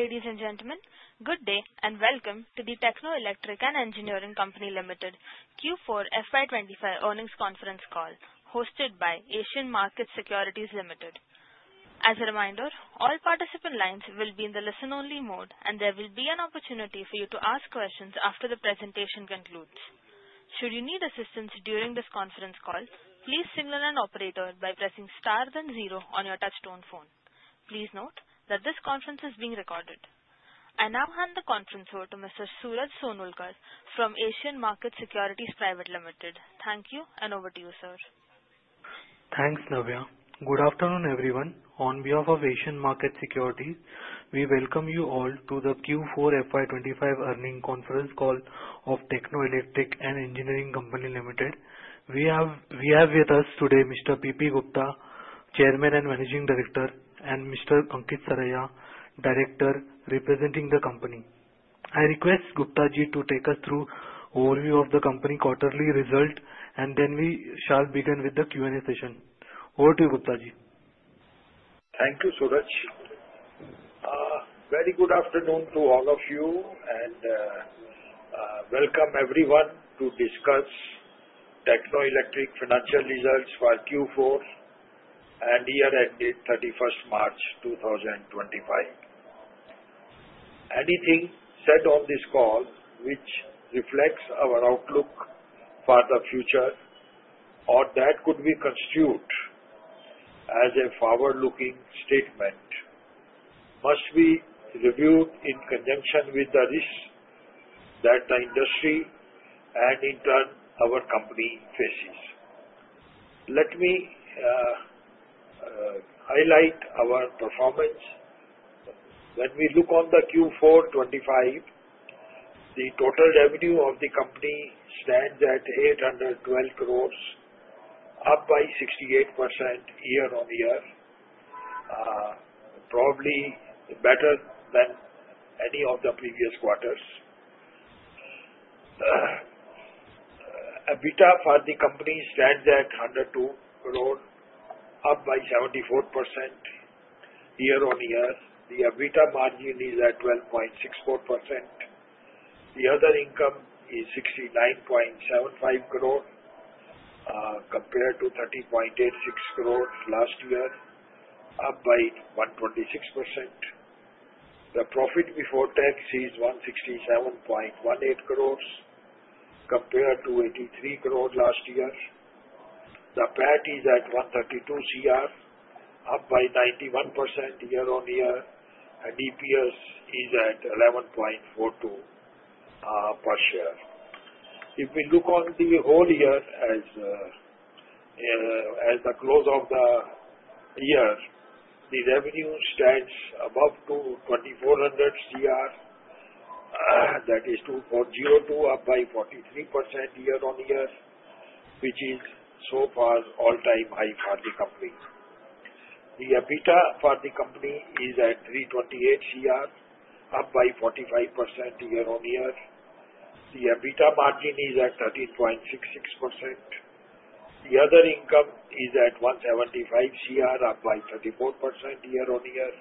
Ladies and gentlemen, good day and welcome to the Techno Electric & Engineering Company Limited Q4 FY 2025 Earnings Conference Call, hosted by Asian Markets Securities Limited. As a reminder, all participant lines will be in the listen-only mode, and there will be an opportunity for you to ask questions after the presentation concludes. Should you need assistance during this conference call, please signal an operator by pressing star then zero on your touch-tone phone. Please note that this conference is being recorded. I now hand the conference over to Mr. Suraj Sonulkar from Asian Markets Securities Private Limited. Thank you, and over to you, sir. Thanks, Navya. Good afternoon, everyone. On behalf of Asian Markets Securities, we welcome you all to the Q4 FY 2025 earnings conference call of Techno Electric & Engineering Company Limited. We have with us today Mr. P. P. Gupta, Chairman and Managing Director, and Mr. Ankit Saraiya, Director representing the company. I request Guptaji to take us through overview of the company quarterly result, and then we shall begin with the Q&A session. Over to you, Guptaji. Thank you, Suraj. Very good afternoon to all of you, and welcome everyone to discuss Techno Electric financial results for Q4 and year-ending 31st March 2025. Anything said on this call which reflects our outlook for the future, or that could be construed as a forward-looking statement, must be reviewed in conjunction with the risks that the industry and, in turn, our company faces. Let me highlight our performance. When we look on the Q4 2025, the total revenue of the company stands at 812 crores, up by 68% year-on-year, probably better than any of the previous quarters. EBITDA for the company stands at 102 crore, up by 74% year-on-year. The EBITDA margin is at 12.64%. The other income is 69.75 crore compared to 30.86 crore last year, up by 126%. The profit before tax is 167.18 crore compared to 83 crore last year. The PAT is at INR 132 crore, up by 91% year-on-year, and EPS is at 11.42 per share. If we look on the whole year as the close of the year, the revenue stands above 2,400 crore, that is 2,402, up by 43% year-on-year, which is so far all-time high for the company. The EBITDA for the company is at 328 crore, up by 45% year-on-year. The EBITDA margin is at 13.66%. The other income is at 175 crore, up by 34% year-on-year.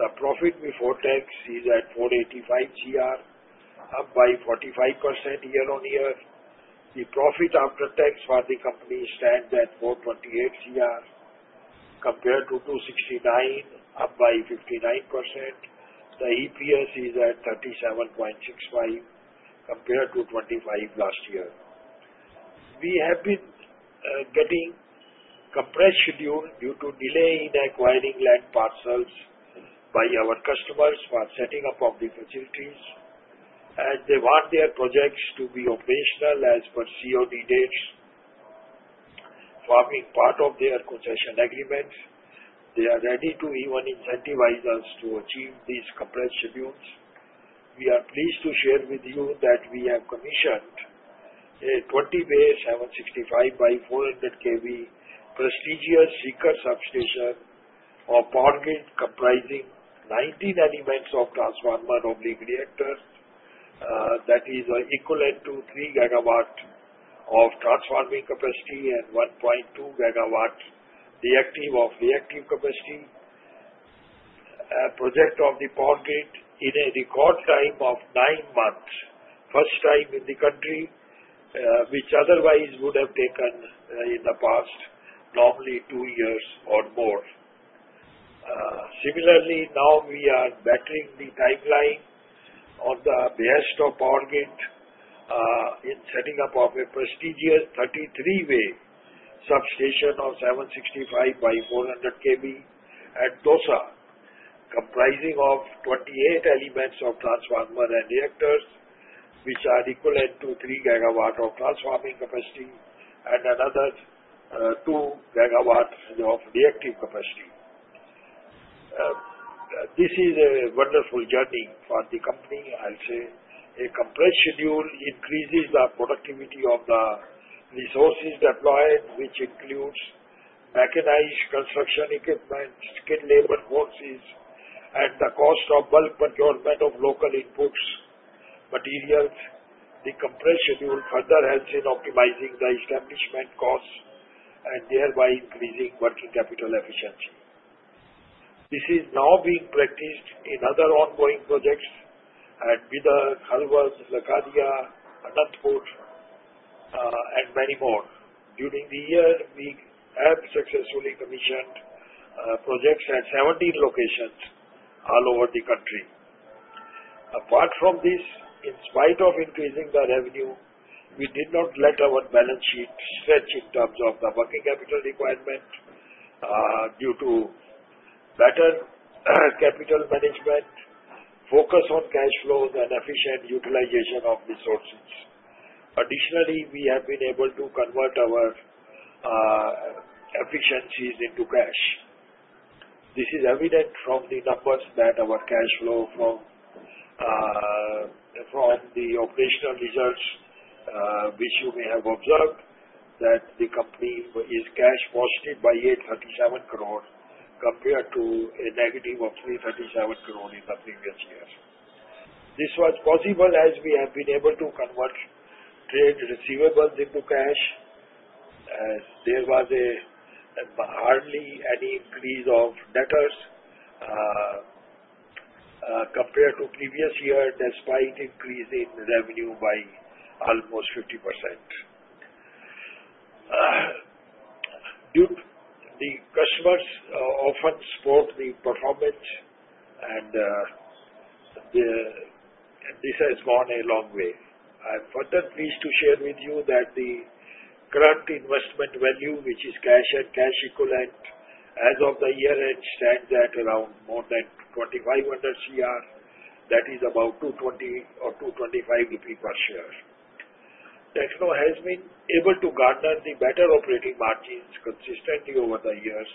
The profit before tax is at 485 crore, up by 45% year-on-year. The profit after tax for the company stands at 428 crore compared to 269 crore, up by 59%. The EPS is at 37.65 compared to 25 last year. We have been getting compressed schedule due to delay in acquiring land parcels by our customers for setting up of the facilities, and they want their projects to be operational as per COD dates forming part of their concession agreements. They are ready to even incentivize us to achieve these compressed schedules. We are pleased to share with you that we have commissioned a 20-way 765/400 kV prestigious Sikar substation for Power Grid comprising 19 elements of transformers/ reactors. That is equivalent to 3 GW of transforming capacity and 1.2 GW reactive of reactive capacity. A project of the Power Grid in a record time of nine months, first time in the country, which otherwise would have taken in the past normally two years or more. Similarly, now we are bettering the timeline on the behest of Power Grid in setting up of a prestigious 33-way substation of 765/400 kV at Dausa, comprising of 28 elements of transformer and reactors, which are equivalent to three gigawatts of transforming capacity and another 2 GW of reactive capacity. This is a wonderful journey for the company, I'll say. A compressed schedule increases the productivity of the resources deployed, which includes mechanized construction equipment, skilled labor forces, and the cost of bulk procurement of local inputs, materials. The compressed schedule further helps in optimizing the establishment costs and thereby increasing working capital efficiency. This is now being practiced in other ongoing projects at Bidar, Halvad, Lakadia, Anantapur, and many more. During the year, we have successfully commissioned projects at 17 locations all over the country. Apart from this, in spite of increasing the revenue, we did not let our balance sheet stretch in terms of the working capital requirement due to better capital management, focus on cash flows, and efficient utilization of resources. Additionally, we have been able to convert our efficiencies into cash. This is evident from the numbers that our cash flow from the operational results, which you may have observed, that the company is cash positive by 837 crore compared to a negative of 337 crore in the previous year. This was possible as we have been able to convert trade receivables into cash. There was hardly any increase of debtors compared to previous year, despite increase in revenue by almost 50%. The customers often spoke the performance, and this has gone a long way. I'm further pleased to share with you that the current investment value, which is cash and cash equivalent, as of the year-end stands at around more than 2,500 crore. That is about 220 or 225 rupees per share. Techno has been able to garner the better operating margins consistently over the years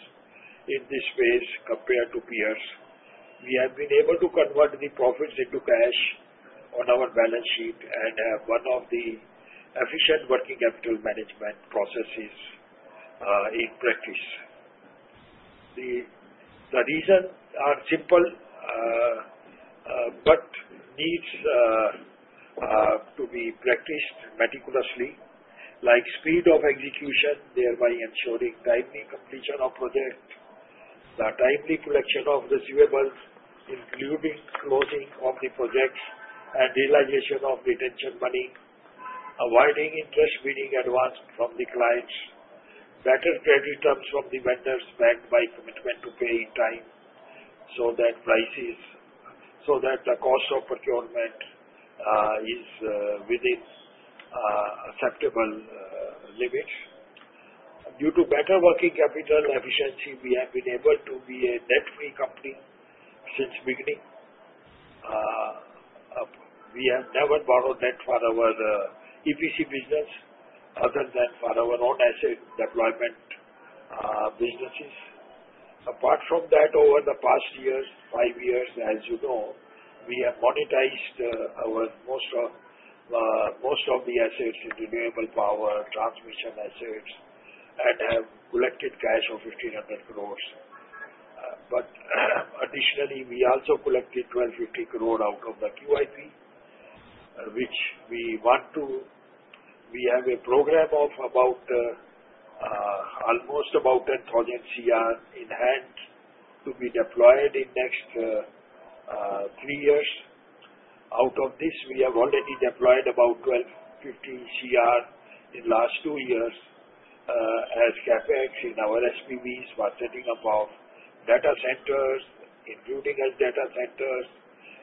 in this space compared to peers. We have been able to convert the profits into cash on our balance sheet and have one of the efficient working capital management processes in practice. The reasons are simple but need to be practiced meticulously, like speed of execution, thereby ensuring timely completion of project, the timely production of receivables, including closing of the projects and realization of retention money, avoiding interest-bearing advance from the clients, better credit terms from the vendors backed by commitment to pay in time so that the cost of procurement is within acceptable limits. Due to better working capital efficiency, we have been able to be a debt-free company since beginning. We have never borrowed debt for our EPC business other than for our own asset deployment businesses. Apart from that, over the past years, five years, as you know, we have monetized most of the assets in renewable power, transmission assets, and have collected cash of 1,500 crores. But additionally, we also collected 1,250 crore out of the QIP, which we want to. We have a program of almost about 10,000 CR in hand to be deployed in next three years. Out of this, we have already deployed about 1,250 CR in the last two years as CapEx in our SPVs for setting up of data centers, including as data centers,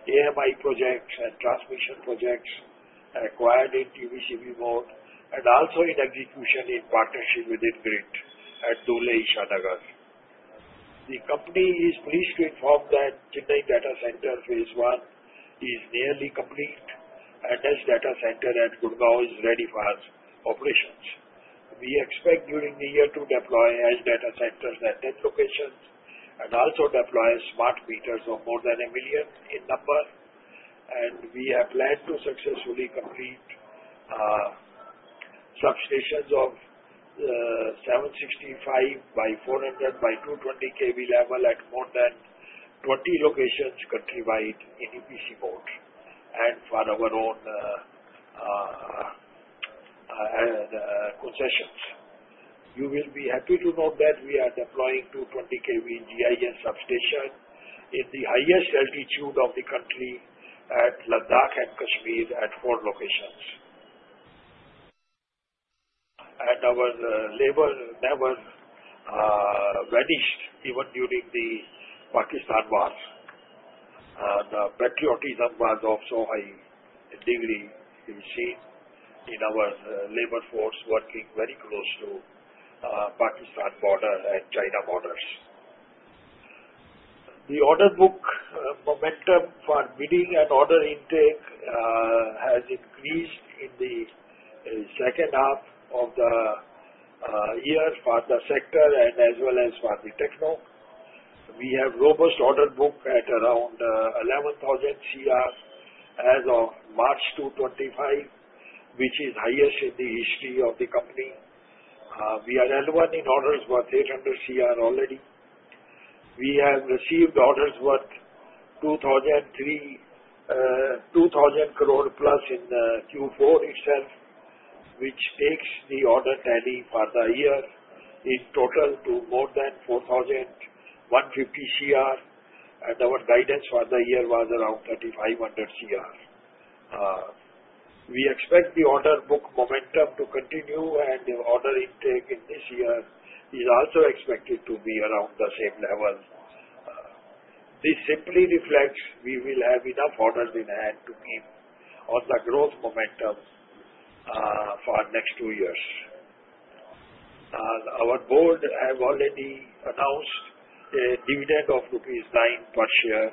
AMI projects, and transmission projects acquired in TBCB mode, and also in execution in partnership with IndiGrid at Dhule, Ishanagar. The company is pleased to inform that Chennai Data Center Phase One is nearly complete, and Edge Data Center at Gurgaon is ready for operations. We expect during the year to deploy Edge Data Centers at 10 locations and also deploy smart meters of more than a million in number, and we have planned to successfully complete substations of 765 by 400 by 220 kV level at more than 20 locations countrywide in EPC mode and for our own concessions. You will be happy to know that we are deploying 220 kV GIS substation in the highest altitude of the country at Ladakh and Kashmir at four locations, and our labor never vanished even during the Pakistan war. The patriotism was of so high degree seen in our labor force working very close to Pakistan border and China borders. The order book momentum for bidding and order intake has increased in the second half of the year for the sector and as well as for the Techno. We have robust order book at around 11,000 CR as of March 2025, which is highest in the history of the company. We are L1 in orders worth 800 CR already. We have received orders worth 2,000 crore plus in Q4 itself, which takes the order tally for the year in total to more than 4,150 CR, and our guidance for the year was around 3,500 CR. We expect the order book momentum to continue, and the order intake in this year is also expected to be around the same level. This simply reflects we will have enough orders in hand to keep on the growth momentum for next two years. Our board has already announced a dividend of Rs 9 per share,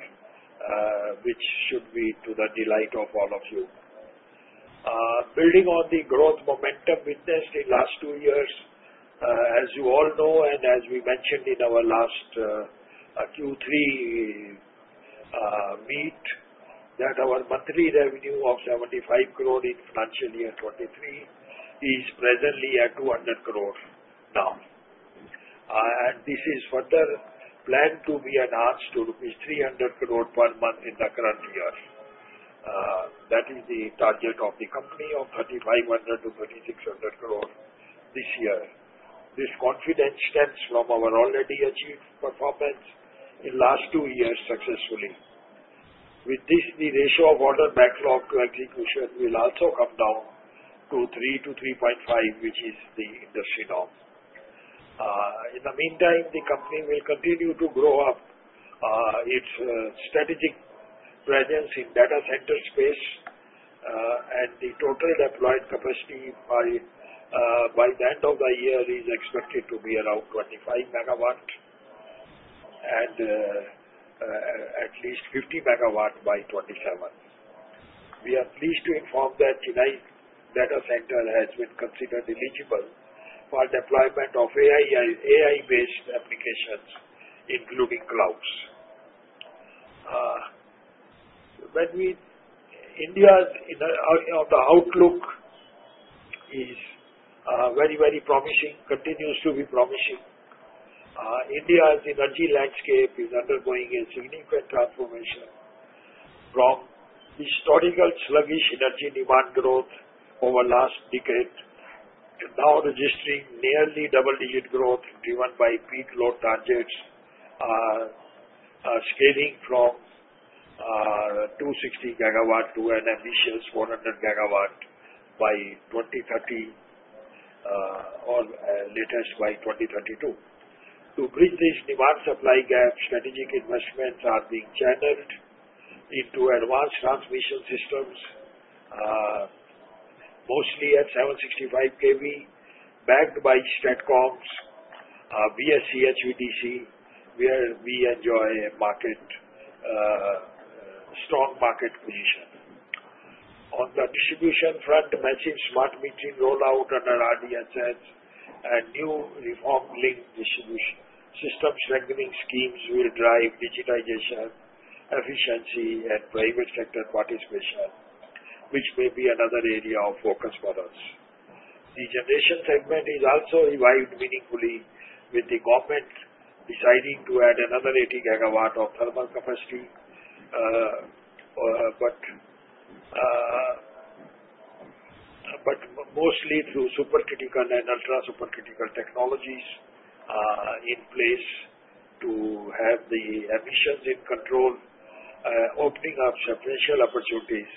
which should be to the delight of all of you. Building on the growth momentum witnessed in last two years, as you all know and as we mentioned in our last Q3 meet, that our monthly revenue of 75 crore in financial year 2023 is presently at 200 crore now. And this is further planned to be announced to rupees 300 crore per month in the current year. That is the target of the company of 3,500-3,600 crore this year. This confidence stems from our already achieved performance in last two years successfully. With this, the ratio of order backlog to execution will also come down to 3-3.5, which is the industry norm. In the meantime, the company will continue to grow up its strategic presence in data center space, and the total deployed capacity by the end of the year is expected to be around 25 MW and at least 50 MW by 2027. We are pleased to inform that Chennai Data Center has been considered eligible for deployment of AI-based applications, including clouds. India's outlook is very, very promising, continues to be promising. India's energy landscape is undergoing a significant transformation from historical sluggish energy demand growth over the last decade to now registering nearly double-digit growth driven by peak load targets, scaling from 260 gigawatts to an ambitious 400 GW by 2030 or latest by 2032. To bridge this demand supply gap, strategic investments are being channeled into advanced transmission systems, mostly at 765 kV, backed by STATCOMs, VSC, HVDC, where we enjoy a strong market position. On the distribution front, massive smart metering rollout under RDSS and new reform-linked distribution system strengthening schemes will drive digitization, efficiency, and private sector participation, which may be another area of focus for us. The generation segment is also revived meaningfully with the government deciding to add another 80 GW of thermal capacity, but mostly through supercritical and ultra-supercritical technologies in place to have the emissions in control, opening up sequential opportunities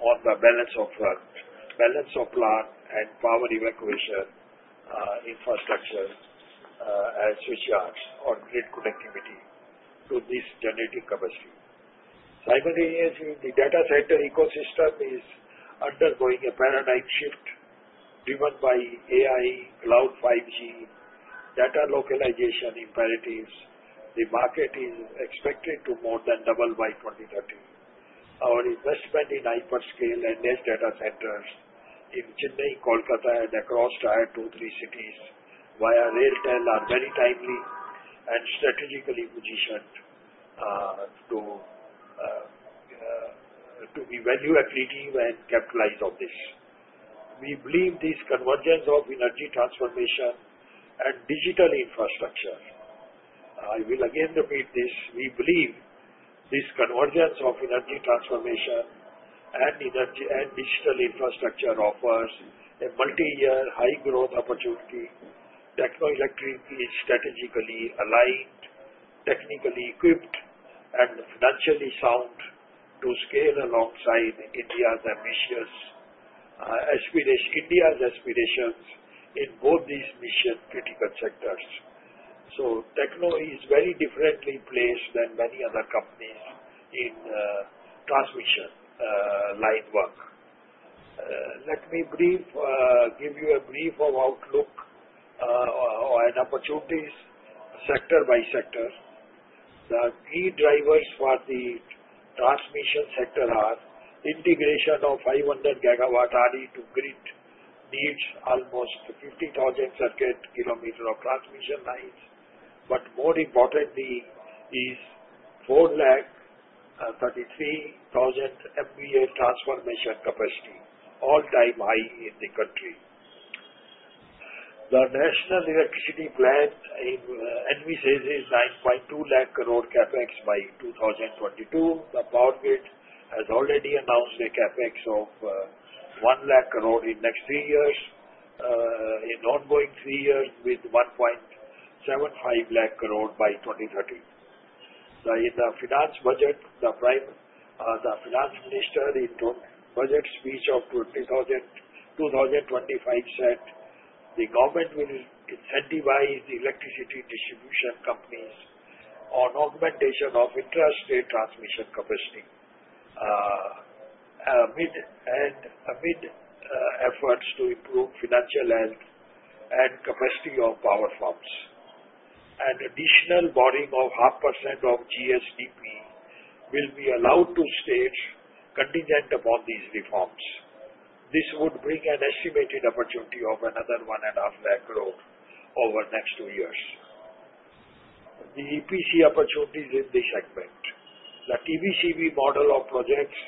on the balance of plant and power evacuation infrastructure as switchyards or grid connectivity to this generating capacity. Simultaneously, the data center ecosystem is undergoing a paradigm shift driven by AI, cloud, 5G, data localization imperatives. The market is expected to more than double by 2030. Our investment in hyperscale and edge data centers in Chennai, Kolkata, and across tier two, three cities via RailTel are very timely and strategically positioned to be value-attractive and capitalize on this. We believe this convergence of energy transformation and digital infrastructure, I will again repeat this, we believe this convergence of energy transformation and digital infrastructure offers a multi-year high growth opportunity. Techno Electric is strategically aligned, technically equipped, and financially sound to scale alongside India's ambitious aspirations in both these mission-critical sectors. So Techno is very differently placed than many other companies in transmission line work. Let me give you a brief outlook or an opportunity sector by sector. The key drivers for the transmission sector are integration of 500 GW RE to grid needs almost 50,000 circuit kilometers of transmission lines, but more importantly is 433,000 MVA transformation capacity, all-time high in the country. The National Electricity Plan envisages 9.2 lakh crore CapEx by 2022. The Power Grid has already announced a CapEx of 1 lakh crore in next three years, in ongoing three years with 1.75 lakh crore by 2030. In the finance budget, the finance minister in budget speech of 2025 said the government will incentivize the electricity distribution companies on augmentation of intrastate transmission capacity and amid efforts to improve financial health and capacity of power farms. Additional borrowing of 0.5% of GSDP will be allowed to states contingent upon these reforms. This would bring an estimated opportunity of another 1.5 lakh crore over next two years. The EPC opportunities in this segment. The TBCB model of projects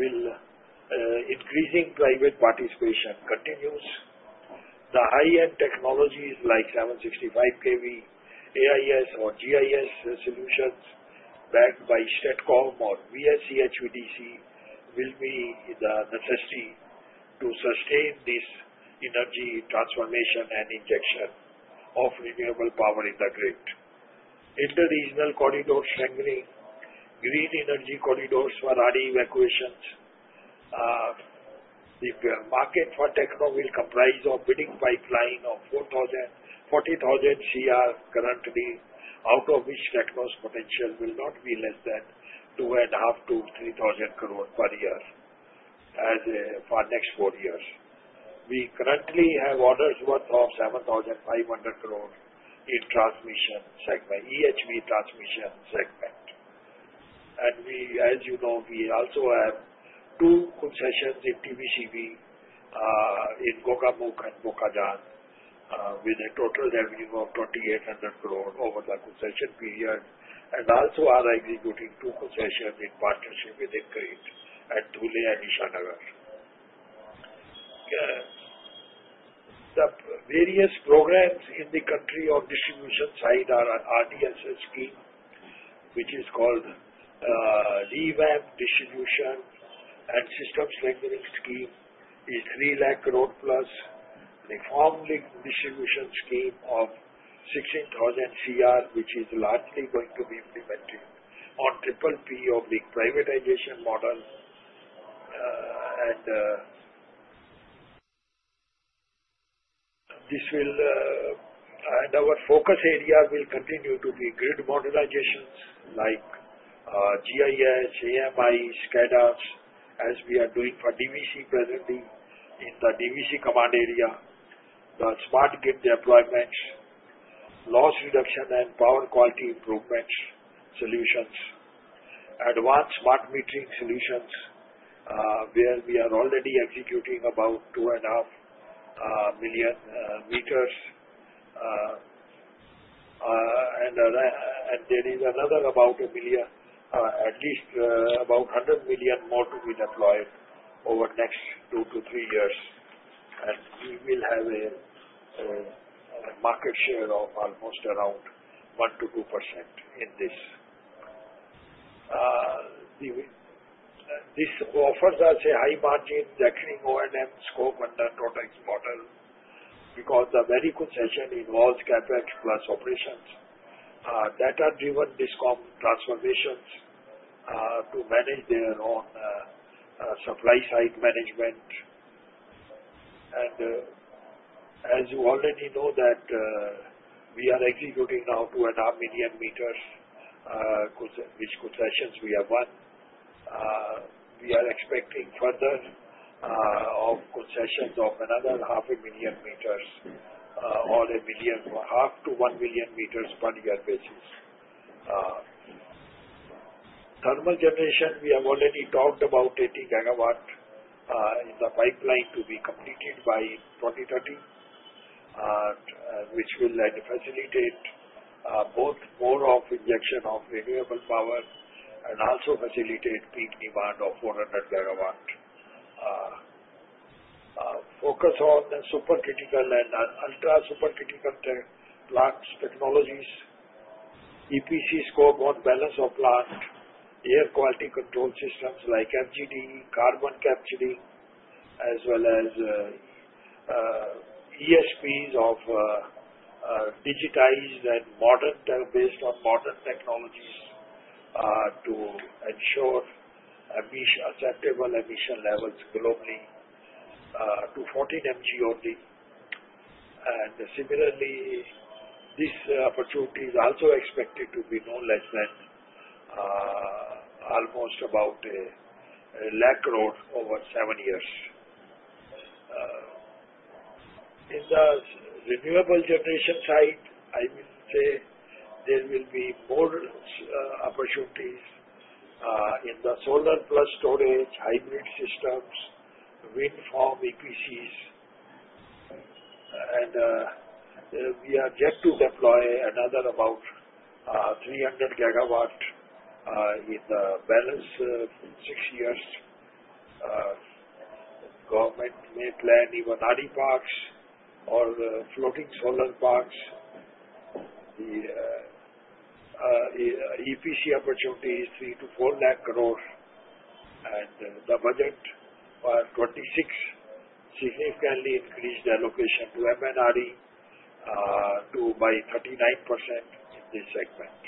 will increase private participation continues. The high-end technologies like 765 kV AIS or GIS solutions backed by STATCOM or VSC, HVDC will be the necessity to sustain this energy transformation and injection of renewable power in the grid. Interregional corridor strengthening, green energy corridors for RE evacuations. The market for Techno will comprise a bidding pipeline of 40,000 crore currently, out of which Techno's potential will not be less than 2.5-3,000 crore per year for next four years. We currently have orders worth of 7,500 crore in transmission segment, EHV transmission segment, and as you know, we also have two concessions in TBCB in Gurgaon and Gurkhagan, with a total revenue of 2,800 crore over the concession period, and also are executing two concessions in partnership with IndiGrid at Dhule and Ishanagar. The various programs in the country on distribution side are RDSS scheme, which is called Revamped Distribution Sector Scheme, is 3 lakh crore plus. Reforms-linked distribution scheme of 16,000 CR, which is largely going to be implemented on PPP of the privatization model. Our focus area will continue to be grid modernizations like GIS, AMI, standards, as we are doing for DVC presently in the DVC command area. The smart grid deployments, loss reduction and power quality improvement solutions, advanced smart metering solutions where we are already executing about 2.5 million meters. There is another about a million, at least about 100 million more to be deployed over next two to three years. We will have a market share of almost around 1%-2% in this. This offers us a high margin declaring O&M scope under Total Exports because the very concession involves CapEx plus operations that are driven discom transformations to manage their own supply side management, as you already know that we are executing now 2.5 million meters, which concessions we have won. We are expecting further concessions of another 500,000 meters or 1 million, 0.5-1 million meters per year basis. Thermal generation, we have already talked about 80 GW in the pipeline to be completed by 2030, which will facilitate both more of injection of renewable power and also facilitate peak demand of 400 GW. Focus on supercritical and ultra-supercritical plants technologies, EPC scope on balance of plant, air quality control systems like FGD, carbon capturing, as well as ESPs of digitized and modern based on modern technologies to ensure acceptable emission levels globally to 14 mg only. Similarly, this opportunity is also expected to be no less than almost about a lakh crore over seven years. In the renewable generation side, I will say there will be more opportunities in the solar plus storage, hybrid systems, wind farm EPCs. We are yet to deploy another about 300 GW in the balance six years. Government may plan even RE parks or floating solar parks. The EPC opportunity is 3-4 lakh crore. The budget for 2026 significantly increased allocation to MNRE by 39% in this segment.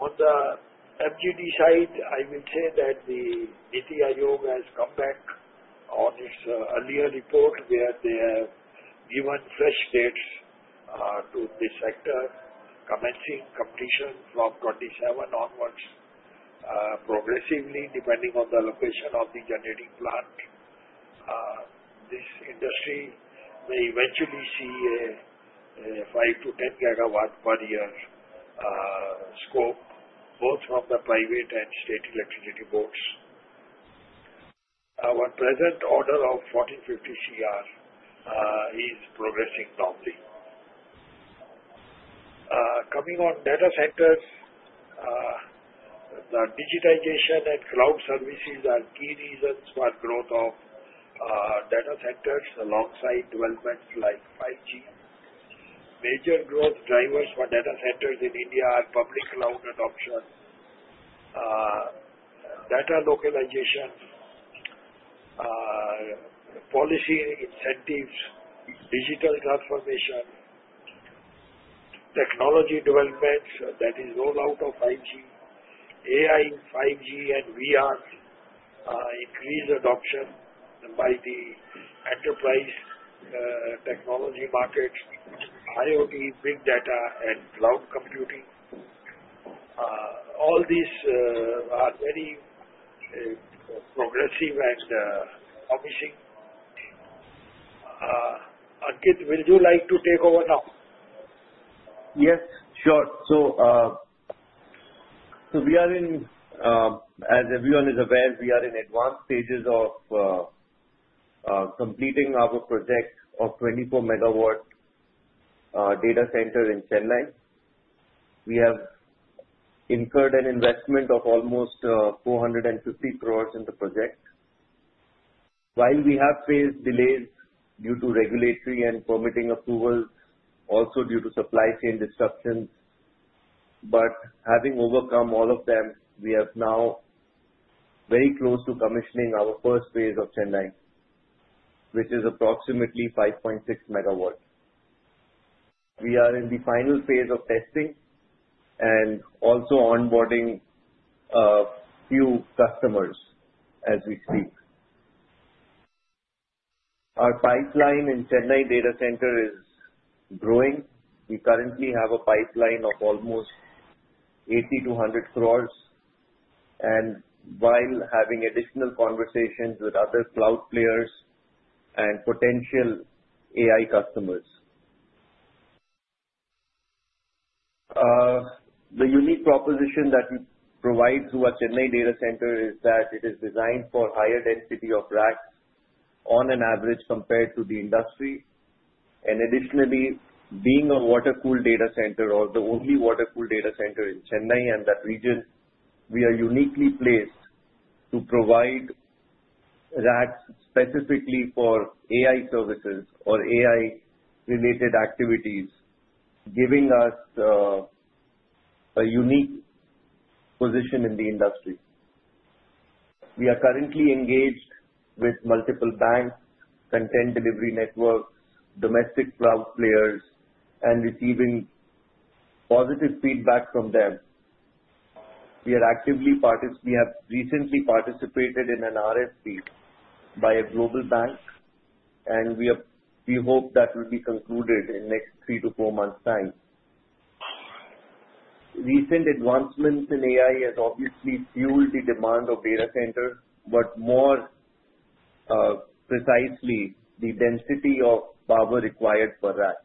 On the FGD side, I will say that the NITI Aayog has come back on its earlier report where they have given fresh dates to this sector, commencing completion from 2027 onwards progressively depending on the location of the generating plant. This industry may eventually see a 5-10 GW per year scope, both from the private and state electricity boards. Our present order of 1,450 crore is progressing normally. Coming on data centers, the digitization and cloud services are key reasons for growth of data centers alongside developments like 5G. Major growth drivers for data centers in India are public cloud adoption, data localization policy, incentives, digital transformation, technology developments that is rolled out of 5G, AI, 5G, and VR increased adoption by the enterprise technology markets, IoT, big data, and cloud computing. All these are very progressive and promising. Ankit, would you like to take over now? Yes, sure. So as everyone is aware, we are in advanced stages of completing our project of 24 MW data center in Chennai. We have incurred an investment of almost 450 crore in the project. While we have faced delays due to regulatory and permitting approvals, also due to supply chain disruptions, but having overcome all of them, we are now very close to commissioning our first phase of Chennai, which is approximately 5.6 MW. We are in the final phase of testing and also onboarding a few customers as we speak. Our pipeline in Chennai data center is growing. We currently have a pipeline of almost 80-100 crores. While having additional conversations with other cloud players and potential AI customers, the unique proposition that we provide to our Chennai data center is that it is designed for higher density of racks on average compared to the industry. Additionally, being a water-cooled data center or the only water-cooled data center in Chennai and that region, we are uniquely placed to provide racks specifically for AI services or AI-related activities, giving us a unique position in the industry. We are currently engaged with multiple banks, content delivery networks, domestic cloud players, and receiving positive feedback from them. We have recently participated in an RFP by a global bank, and we hope that will be concluded in the next three to four months' time. Recent advancements in AI have obviously fueled the demand of data centers, but more precisely, the density of power required per rack.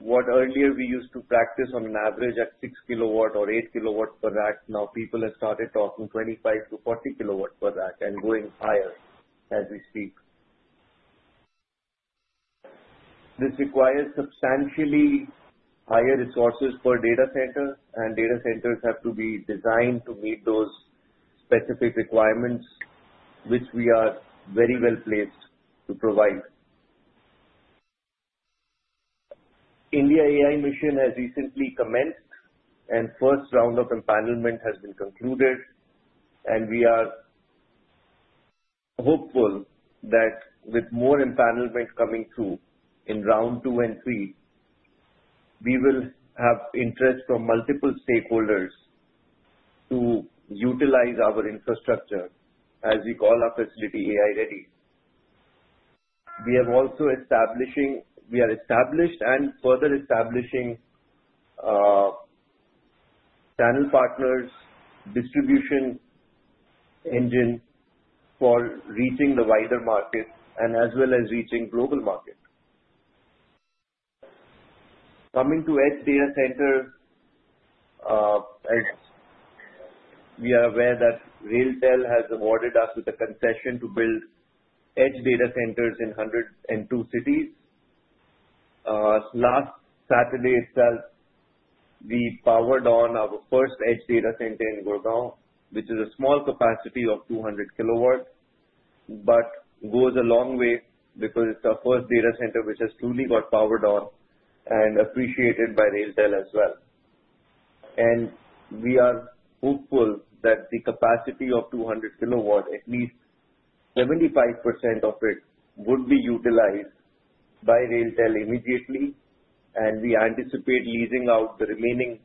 What earlier we used to practice on an average at six kilowatt or eight kilowatt per rack, now people have started talking 25-40 KW per rack and going higher as we speak. This requires substantially higher resources per data center, and data centers have to be designed to meet those specific requirements, which we are very well placed to provide. India AI Mission has recently commenced, and the first round of empanelment has been concluded, and we are hopeful that with more empanelment coming through in round two and three, we will have interest from multiple stakeholders to utilize our infrastructure as we call our facility AI ready. We are established and further establishing channel partners, distribution engine for reaching the wider market and as well as reaching global market. Coming to edge data center, we are aware that RailTel has awarded us with a concession to build edge data centers in 102 cities. Last Saturday itself, we powered on our first edge data center in Gurgaon, which is a small capacity of 200 KW, but goes a long way because it's our first data center which has truly got powered on and appreciated by RailTel as well. We are hopeful that the capacity of 200 KW, at least 75% of it, would be utilized by RailTel immediately. We anticipate leasing out the remaining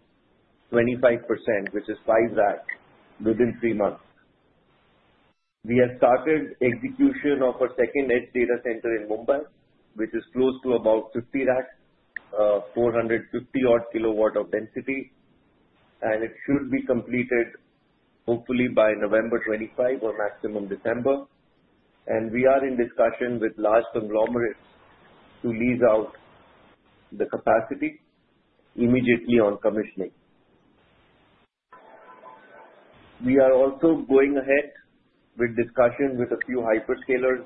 25%, which is 5 racks, within three months. We have started execution of our second edge data center in Mumbai, which is close to about 50 racks, 450 KW of density. It should be completed hopefully by November 25 or maximum December. We are in discussion with large conglomerates to lease out the capacity immediately on commissioning. We are also going ahead with discussion with a few hyperscalers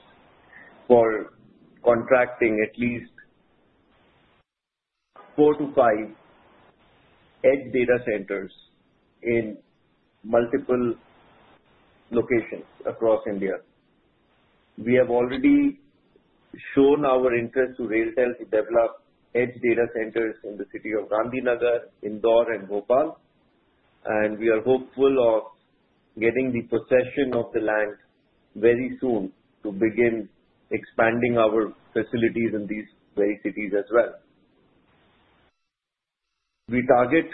for contracting at least four to five edge data centers in multiple locations across India. We have already shown our interest to RailTel to develop edge data centers in the city of Gandhinagar, Indore, and Bhopal, and we are hopeful of getting the possession of the land very soon to begin expanding our facilities in these very cities as well. We target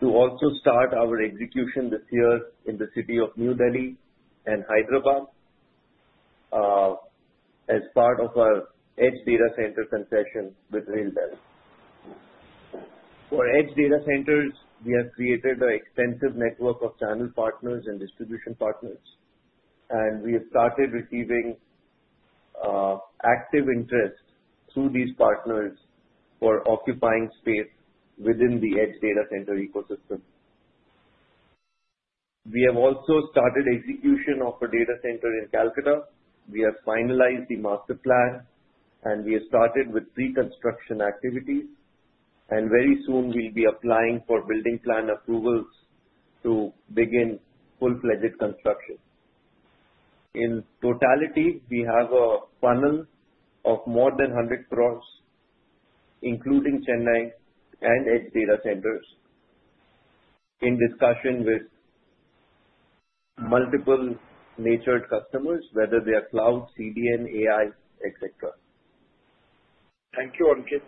to also start our execution this year in the city of New Delhi and Hyderabad as part of our edge data center concession with RailTel. For edge data centers, we have created an extensive network of channel partners and distribution partners, and we have started receiving active interest through these partners for occupying space within the edge data center ecosystem. We have also started execution of a data center in Kolkata. We have finalized the master plan, and we have started with pre-construction activities. And very soon, we'll be applying for building plan approvals to begin full-fledged construction. In totality, we have a funnel of more than 100 crores, including Chennai and edge data centers, in discussion with multiple enterprise customers, whether they are cloud, CDN, AI, etc. Thank you, Ankit.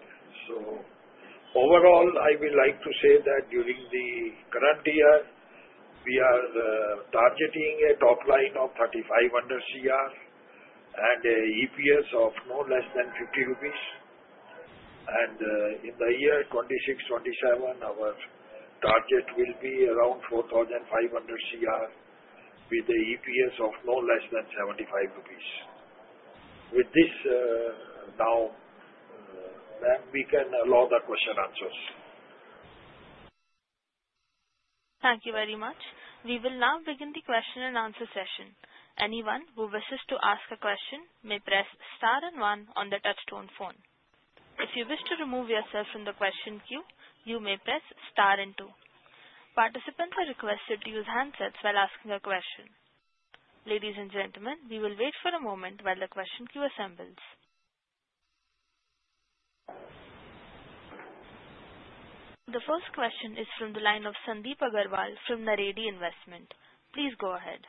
Overall, I would like to say that during the current year, we are targeting a top line of 3,500 CR and an EPS of no less than 50 rupees. In the year 2026, 2027, our target will be around 4,500 CR with an EPS of no less than 75 rupees. With this now, then we can allow the question and answer. Thank you very much. We will now begin the question and answer session. Anyone who wishes to ask a question may press star and one on the touch-tone phone. If you wish to remove yourself from the question queue, you may press star and two. Participants are requested to use handsets while asking a question. Ladies and gentlemen, we will wait for a moment while the question queue assembles. The first question is from the line of Sandeep Agarwal from Naredi Investment. Please go ahead.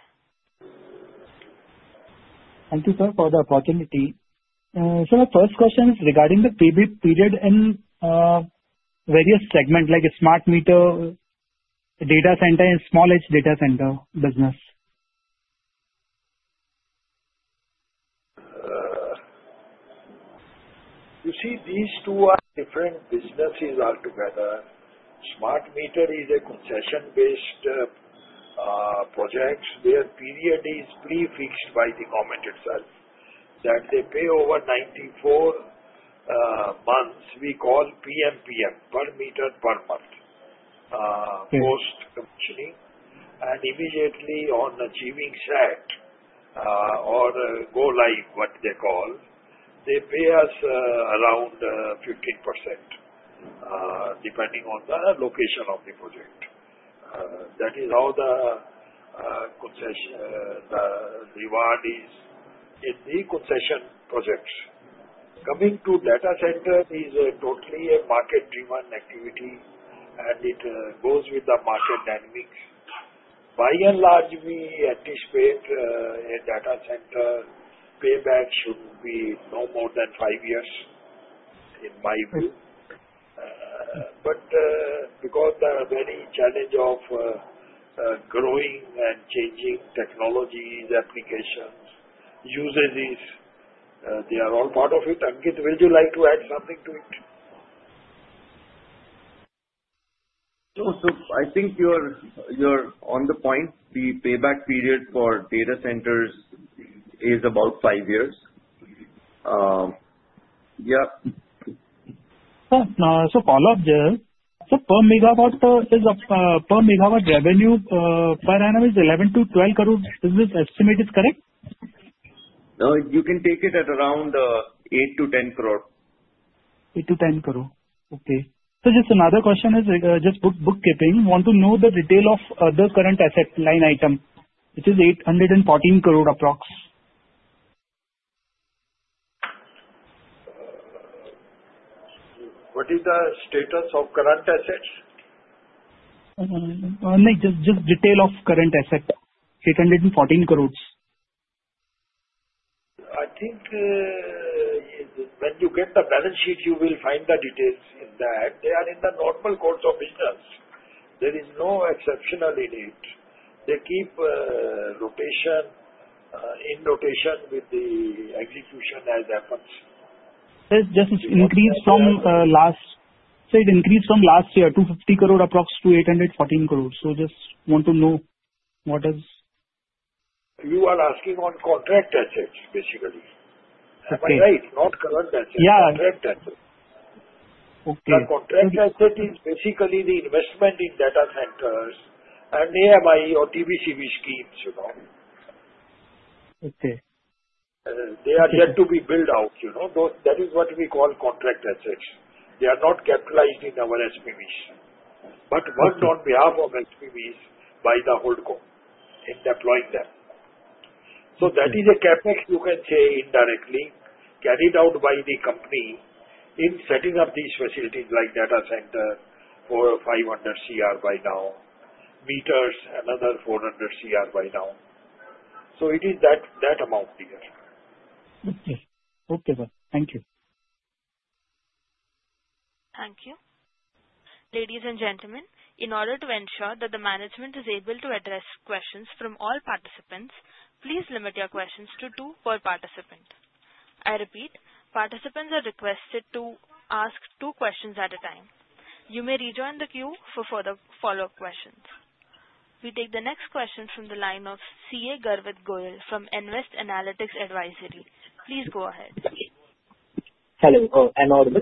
Thank you, sir, for the opportunity. So the first question is regarding the period in various segments like a smart meter data center and small edge data center business. You see, these two are different businesses altogether. Smart meter is a concession-based project where period is prefixed by the government itself. That they pay over 94 months. We call PMPM, per meter per month, post-commissioning. And immediately on achieving set or go live, what they call, they pay us around 15% depending on the location of the project. That is how the reward is in the concession projects. Coming to data center is totally a market-driven activity, and it goes with the market dynamics. By and large, we anticipate a data center payback should be no more than five years in my view. But because the very challenge of growing and changing technologies, applications, usages, they are all part of it. Ankit, would you like to add something to it? No, so I think you're on the point. The payback period for data centers is about five years. Yeah. So follow up there. So per megawatt is a per megawatt revenue per annum is 11-12 crore. Is this estimated correct? No, you can take it at around 8-10 crore. 8-10 crore. Okay. So just another question is just bookkeeping. Want to know the detail of the current asset line item, which is 814 crore approx. What is the status of current assets? Just detail of current assets, 814 crores. I think when you get the balance sheet, you will find the details in that. They are in the normal course of business. There is no exceptional in it. They keep in rotation with the execution as happens. There's just increase from last year, 250 crore approx. to 814 crores. So just want to know what is. You are asking on contract assets, basically. Right, not current assets. Contract assets. Contract asset is basically the investment in data centers and AMI or TBCB schemes. They are yet to be built out. That is what we call contract assets. They are not capitalized in our SBBs. But worked on behalf of SBBs by the holdco in deploying them. So that is a CapEx, you can say, indirectly carried out by the company in setting up these facilities like data center for 500 CR by now, meters, another 400 CR by now. So it is that amount here. Okay. Okay, sir. Thank you. Thank you. Ladies and gentlemen, in order to ensure that the management is able to address questions from all participants, please limit your questions to two per participant. I repeat, participants are requested to ask two questions at a time. You may rejoin the queue for further follow-up questions. We take the next question from the line of CA Garvit Goyal from Nvest Analytics Advisory. Please go ahead. Hello. Am I audible?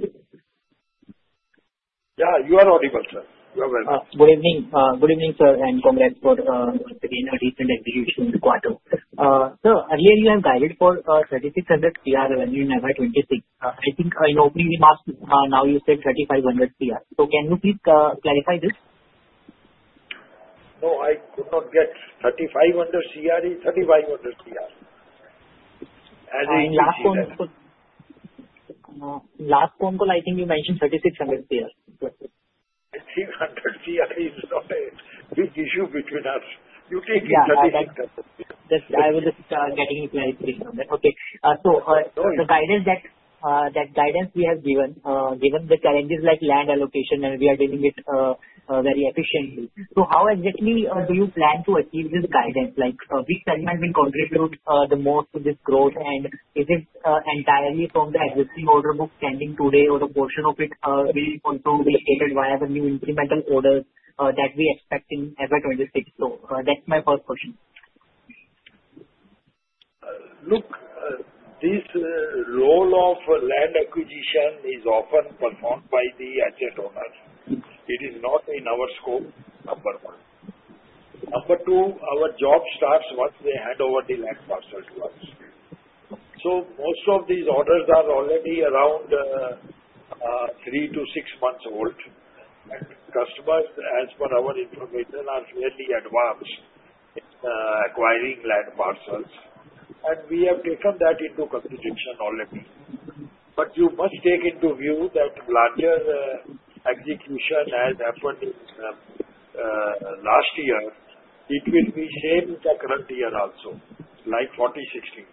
Yeah, you are audible, sir. You are well. Good evening. Good evening, sir, and congrats for the recent execution in Khavda. Sir, earlier you have guided for 3,600 crore revenue in FY 2026. I think in opening we asked, now you said 3,500 crore. So can you please clarify this? No, I could not get 3,500 crore is 3,500 crore. Last phone call, I think you mentioned 3,600 crore. 3,600 crore is not a big issue between us. You take it 3,600. I was just getting it right. Okay. So the guidance we have given, given the challenges like land allocation, and we are dealing with very efficiently. So how exactly do you plan to achieve this guidance? Which segment will contribute the most to this growth? And is it entirely from the existing order book standing today, or a portion of it will also be created via the new incremental orders that we expect in FY 2026? So that's my first question. Look, this role of land acquisition is often performed by the asset owners. It is not in our scope. Number one. Number two, our job starts once they hand over the land parcel to us. So most of these orders are already around three to six months old. And customers, as per our information, are fairly advanced in acquiring land parcels. And we have taken that into consideration already. But you must take into view that larger execution has happened last year. It will be same in the current year also, like 40, 60.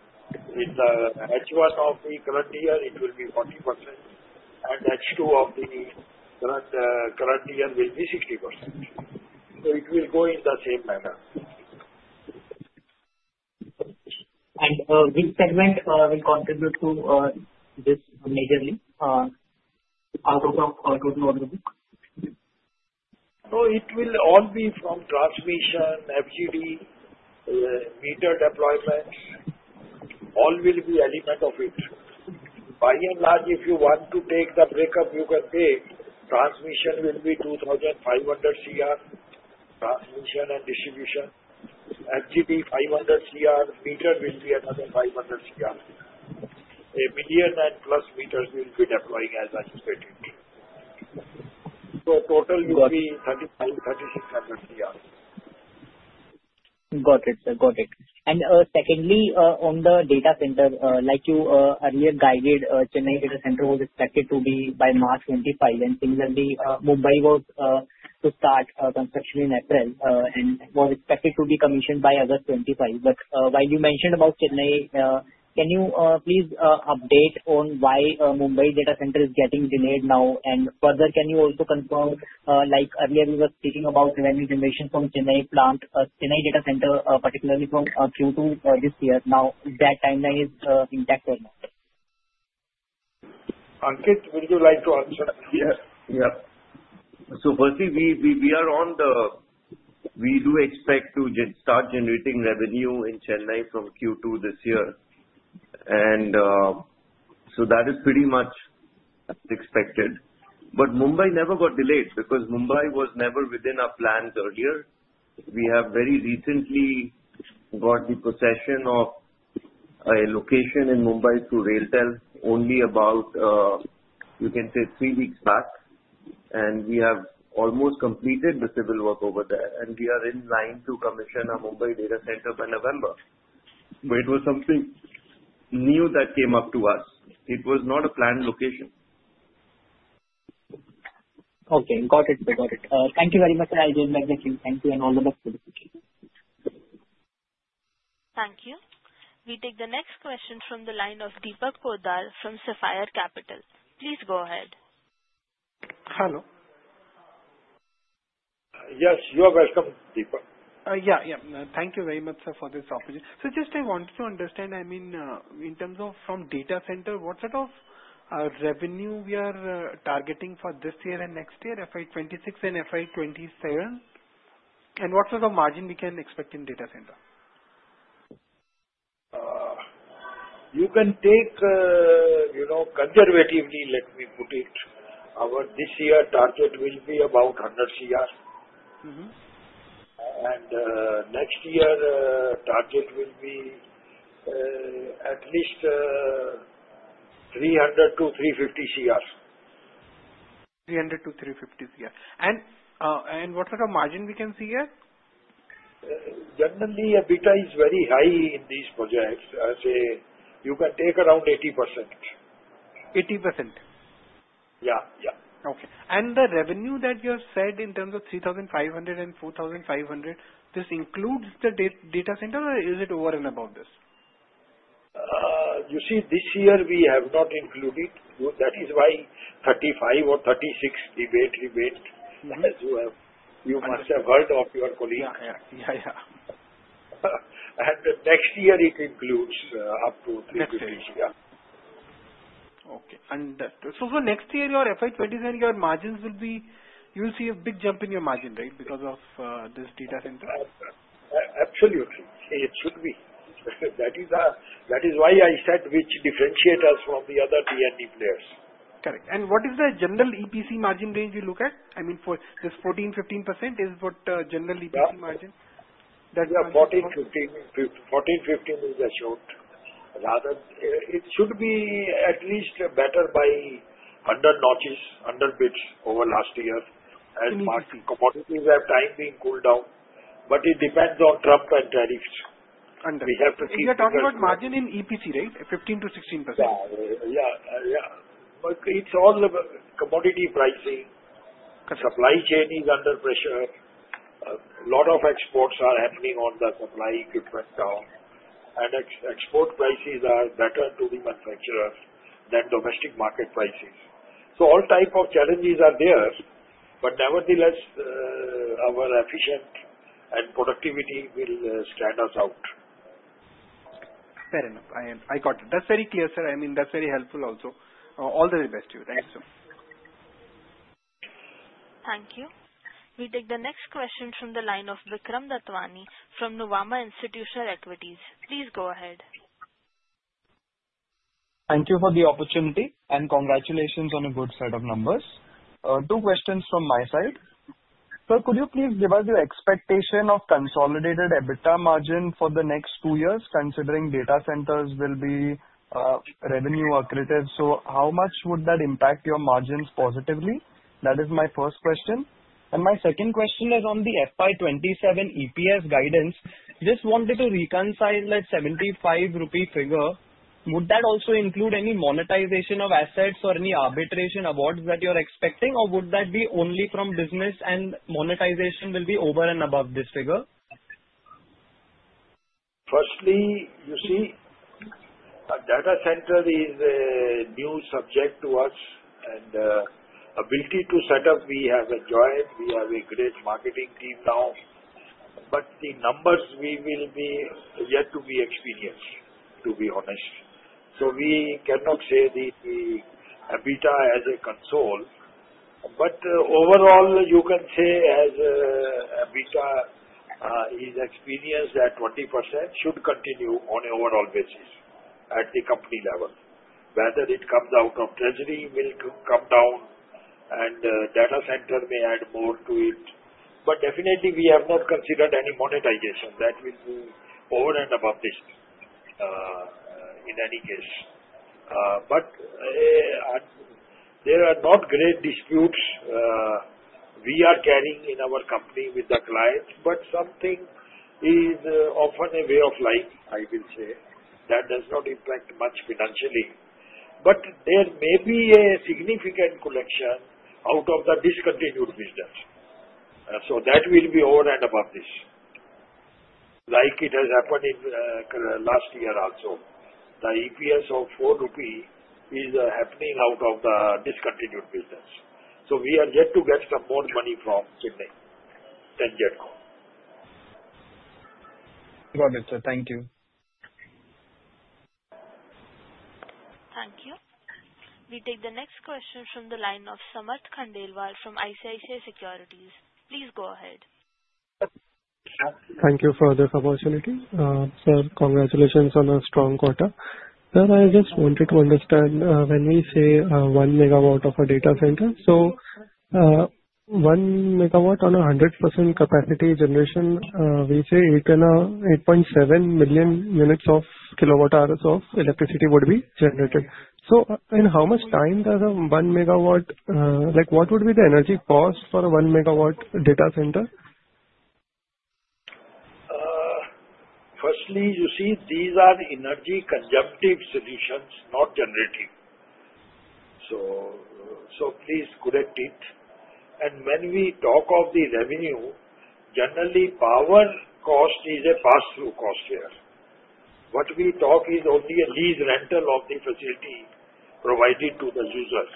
In the H1 of the current year, it will be 40%. And H2 of the current year will be 60%. So it will go in the same manner. And which segment will contribute to this majorly out of the order book? So it will all be from transmission, FGD, meter deployment. All will be element of it. By and large, if you want to take the breakup, you can take transmission will be 2,500 CR, transmission and distribution. FGD 500 CR, meter will be another 500 CR. One million and plus meters will be deploying as anticipated. So total will be 3,600 CR. Got it. Got it. Secondly, on the data center, like you earlier guided, Chennai data center was expected to be by March 2025. And similarly, Mumbai was to start construction in April and was expected to be commissioned by August 2025. But while you mentioned about Chennai, can you please update on why Mumbai data center is getting delayed now? And further, can you also confirm, like earlier we were speaking about revenue generation from Chennai plant or Chennai data center, particularly from Q2 this year? Now, that timeline is intact or not? Ankit, would you like to answer? Yes. Yeah. So firstly, we do expect to start generating revenue in Chennai from Q2 this year. And so that is pretty much expected. But Mumbai never got delayed because Mumbai was never within our plans earlier. We have very recently got the possession of a location in Mumbai through RailTel only about, you can say, three weeks back. And we have almost completed the civil work over there. And we are in line to commission a Mumbai data center by November. But it was something new that came up to us. It was not a planned location. Okay. Got it. Got it. Thank you very much, Sir Ajay Mekdising. Thank you and all the best for the future. Thank you. We take the next question from the line of Deepak Poddar from Sapphire Capital. Please go ahead. Hello. Yes, you are welcome, Deepak. Yeah, yeah. Thank you very much for this opportunity. So just I wanted to understand, I mean, in terms of from data center, what sort of revenue we are targeting for this year and next year, FY 2026 and FY27? And what sort of margin we can expect in data center? You can take conservatively, let me put it. Our this year target will be about 100 CR. And next year target will be at least 300-350 CR. 300-350 CR. And what sort of margin we can see here? Generally, EBITDA is very high in these projects. I say you can take around 80%. 80%. Yeah, yeah. Okay. And the revenue that you have said in terms of 3,500 and 4,500, this includes the data center or is it over and above this? You see, this year we have not included. That is why 35 or 36 debate, rebate. You must have heard of your colleagues. Yeah, yeah. And next year it includes up to 3,500 CR. Okay. And so for next year, your FY27, your margins will be. You'll see a big jump in your margin, right, because of this data center? Absolutely. It should be. That is why I said which differentiates us from the other T&D players. Correct. And what is the general EPC margin range you look at? I mean, for this 14%-15%, is what general EPC margin? Yeah, 14, 15. 14%-15% is assured. It should be at least better by 100 basis points over last year. And commodities have for the time being cooled down. But it depends on Trump and tariffs. We have to keep. You're talking about margin in EPC, right? 15%-16%. Yeah, yeah, yeah. It's all commodity pricing. Supply chain is under pressure. A lot of exports are happening on the supply equipment now. And export prices are better to the manufacturers than domestic market prices. So all type of challenges are there. But nevertheless, our efficient and productivity will stand us out. Fair enough. I got it. That's very clear, sir. I mean, that's very helpful also. All the very best to you. Thank you, sir. Thank you. We take the next question from the line of Vikram Datwani from Nuvama Institutional Equities. Please go ahead. Thank you for the opportunity and congratulations on a good set of numbers. Two questions from my side. Sir, could you please give us your expectation of consolidated EBITDA margin for the next two years, considering data centers will be revenue-accretive? So how much would that impact your margins positively? That is my first question. My second question is on the FI27 EPS guidance. Just wanted to reconcile that 75 rupee figure. Would that also include any monetization of assets or any arbitration awards that you're expecting, or would that be only from business and monetization will be over and above this figure? Firstly, you see, data center is a new subject to us. Ability to set up, we have enjoyed. We have a great marketing team now. The numbers, we will be yet to be experienced, to be honest. We cannot say the EBITDA as a console. Overall, you can say as EBITDA is experienced at 20%, should continue on an overall basis at the company level. Whether it comes out of treasury will come down, and data center may add more to it. Definitely, we have not considered any monetization. That will be over and above this in any case. But there are not great disputes we are carrying in our company with the clients. But something is often a way of life, I will say. That does not impact much financially. But there may be a significant collection out of the discontinued business. So that will be over and above this. Like it has happened in last year also. The EPS of 4 rupees is happening out of the discontinued business. So we are yet to get some more money from Chennai than JETCO. Got it, sir. Thank you. Thank you. We take the next question from the line of Samarth Khandelwal from ICICI Securities. Please go ahead. Thank you for this opportunity. Sir, congratulations on a strong quarter. Sir, I just wanted to understand when we say one megawatt of a data center, so one megawatt on a 100% capacity generation, we say 8.7 million units of kilowatt-hours of electricity would be generated. So in how much time does a one megawatt, what would be the energy cost for a one megawatt data center? Firstly, you see, these are energy conjunctive solutions, not generative. So please correct it. And when we talk of the revenue, generally power cost is a pass-through cost here. What we talk is only a lease rental of the facility provided to the user.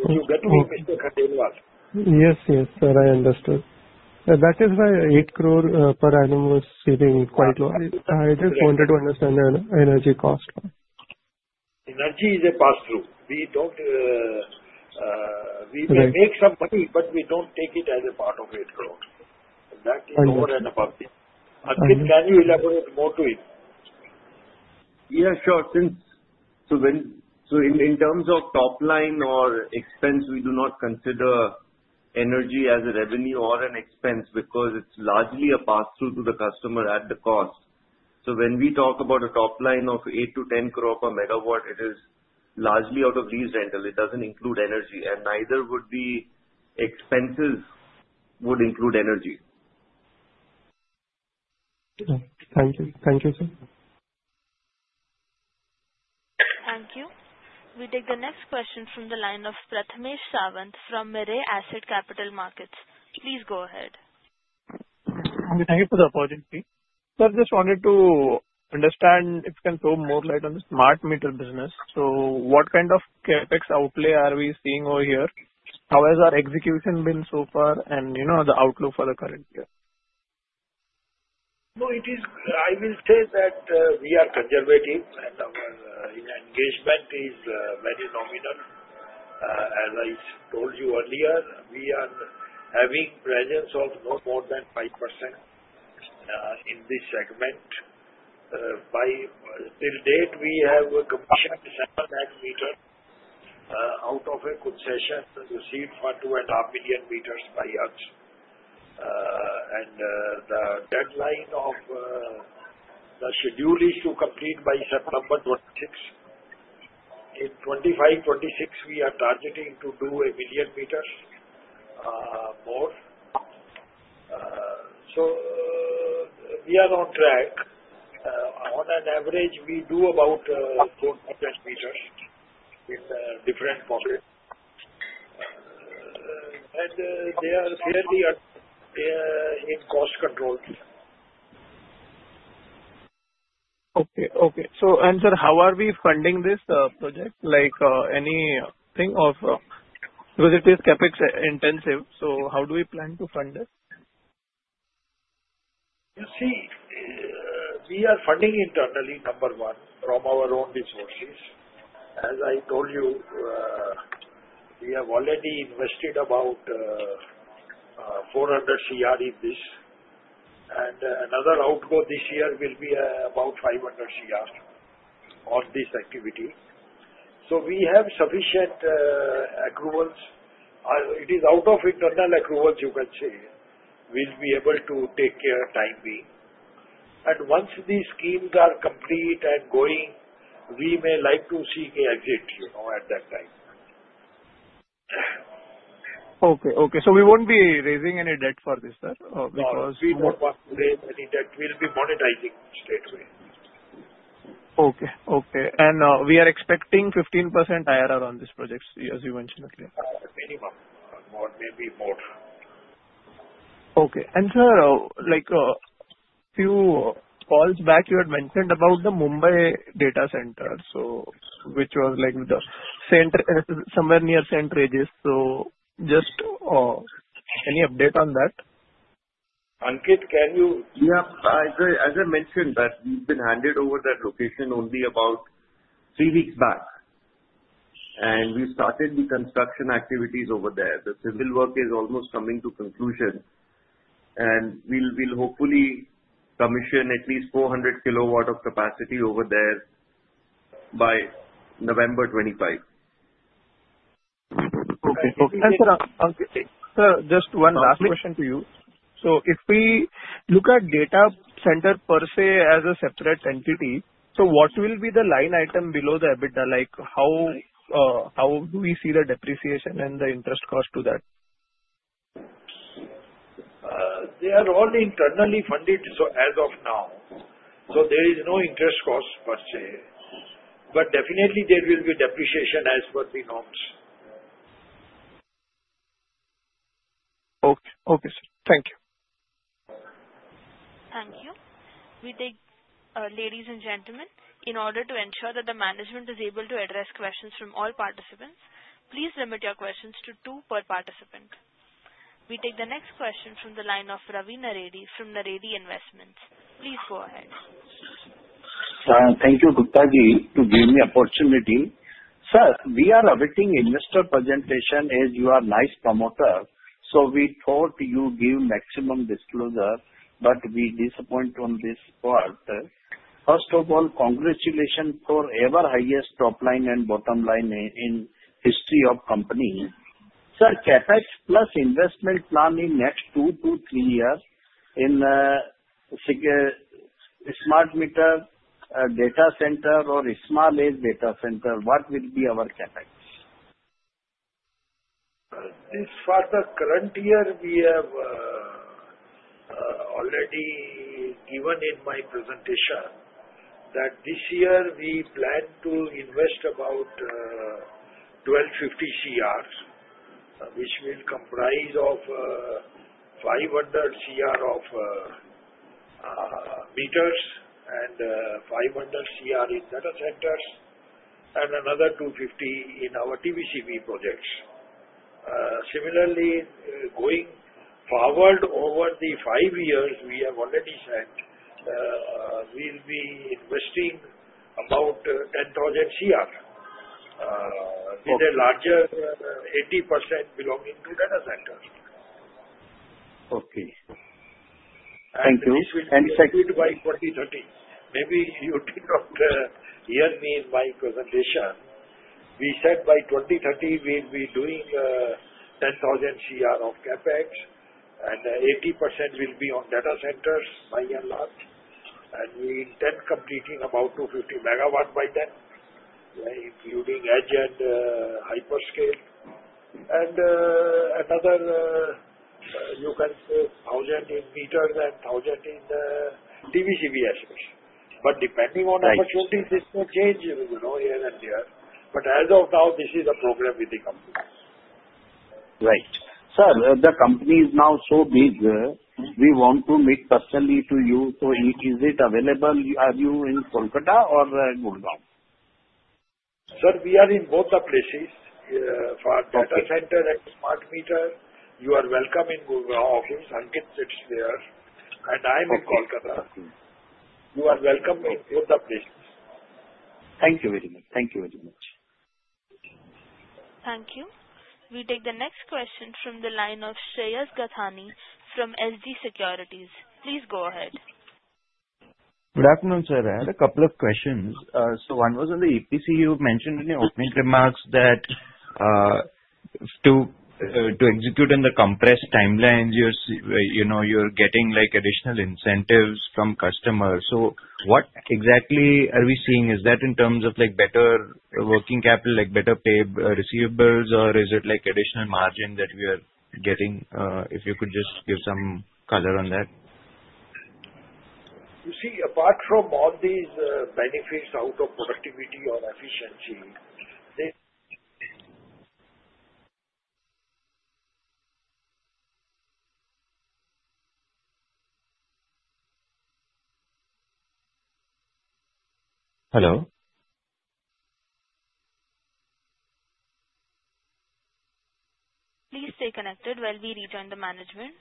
Could you get me, Mr. Khandelwal? Yes, yes, sir. I understood. That is why eight crore per annum was seeming quite low. I just wanted to understand the energy cost. Energy is a pass-through. We may make some money, but we don't take it as a part of eight crore. That is over and above this. Ankit, can you elaborate more to it? Yeah, sure. So in terms of top line or expense, we do not consider energy as a revenue or an expense because it's largely a pass-through to the customer at the cost. So when we talk about a top line of 8-10 crore per megawatt, it is largely out of lease rental. It doesn't include energy. And neither would be expenses would include energy. Thank you. Thank you, sir. Thank you. We take the next question from the line of Prathamesh Sawant from Mirae Asset Capital Markets. Please go ahead. Thank you for the opportunity. Sir, just wanted to understand if you can throw more light on the smart meter business. So what kind of CapEx outlay are we seeing over here? How has our execution been so far and the outlook for the current year? No, it is I will say that we are conservative and our engagement is very nominal. As I told you earlier, we are having presence of no more than 5% in this segment. To date, we have commissioned 700 meters out of a concession received for 2.5 million meters by us. And the deadline of the schedule is to complete by September 2026. In 2025, 2026, we are targeting to do a million meters more. So we are on track. On an average, we do about 400 meters in different pockets. And they are fairly in cost control. Okay, okay. And sir, how are we funding this project? Anything of because it is CapEx intensive. So how do we plan to fund it? You see, we are funding internally, number one, from our own resources. As I told you, we have already invested about 400 CR in this. And another outgo this year will be about 500 CR on this activity. So we have sufficient accruals. It is out of internal accruals, you can say, we'll be able to take care of for the time being. And once these schemes are complete and going, we may like to see the exit at that time. Okay, okay. So we won't be raising any debt for this, sir? Because we won't raise any debt. We'll be monetizing straightway. Okay, okay. And we are expecting 15% IRR on this project, as you mentioned earlier. Minimum. Maybe more. Okay. And sir, a few calls back, you had mentioned about the Mumbai data center, which was somewhere near St. Regis. So just any update on that? Ankit, can you? Yeah. As I mentioned, we've been handed over that location only about three weeks back. And we started the construction activities over there. The civil work is almost coming to conclusion. And we'll hopefully commission at least 400 kilowatt of capacity over there by November 25. Okay, okay. And sir, just one last question to you. So if we look at data center per se as a separate entity, so what will be the line item below the EBITDA? How do we see the depreciation and the interest cost to that? They are all internally funded as of now. So there is no interest cost per se. But definitely, there will be depreciation as per the norms. Okay, okay, sir. Thank you. Thank you. We ask, ladies and gentlemen, in order to ensure that the management is able to address questions from all participants, please limit your questions to two per participant. We take the next question from the line of Ravi Naredi from Naredi Investment. Please go ahead. Thank you, Guptaji, to give me opportunity. Sir, we are awaiting investor presentation as you are a nice promoter. So we thought you'd give maximum disclosure, but we disappoint on this part. First of all, congratulations for ever highest top line and bottom line in history of company. Sir, CapEx plus investment plan in next two to three years in smart meter data center or small edge data center, what will be our CapEx? As far as the current year, we have already given in my presentation that this year we plan to invest about 1,250 crore, which will comprise of 500 crore of meters and 500 crore in data centers and another 250 crore in our TBCB projects. Similarly, going forward over the five years, we have already said we'll be investing about 10,000 crore with a larger 80% belonging to data centers. Okay. Thank you. And this will be achieved by 2030. Maybe you did not hear me in my presentation. We said by 2030, we'll be doing 10,000 crore of CapEx, and 80% will be on data centers by and large, and we intend completing about 250 megawatt by then, including edge and hyperscale. And another, you can say, 1,000 in meters and 1,000 in TBCB assets, but depending on opportunities, it may change here and there. But as of now, this is the program with the company. Right. Sir, the company is now so big, we want to meet personally to you. So is it available? Are you in Kolkata or Gurgaon? Sir, we are in both the places. For data center and smart meter, you are welcome in Gurgaon office. Ankit, it's there. And I'm in Kolkata. You are welcome in both the places. Thank you very much. Thank you very much. Thank you. We take the next question from the line of Shreyas Gathani from SG Securities. Please go ahead. Good afternoon, sir. I had a couple of questions. So one was on the EPC. You mentioned in your opening remarks that to execute in the compressed timelines, you're getting additional incentives from customers. So what exactly are we seeing? Is that in terms of better working capital, better payable receivables, or is it additional margin that we are getting? If you could just give some color on that. You see, apart from all these benefits out of productivity or efficiency. Hello? Please stay connected while we rejoin the management.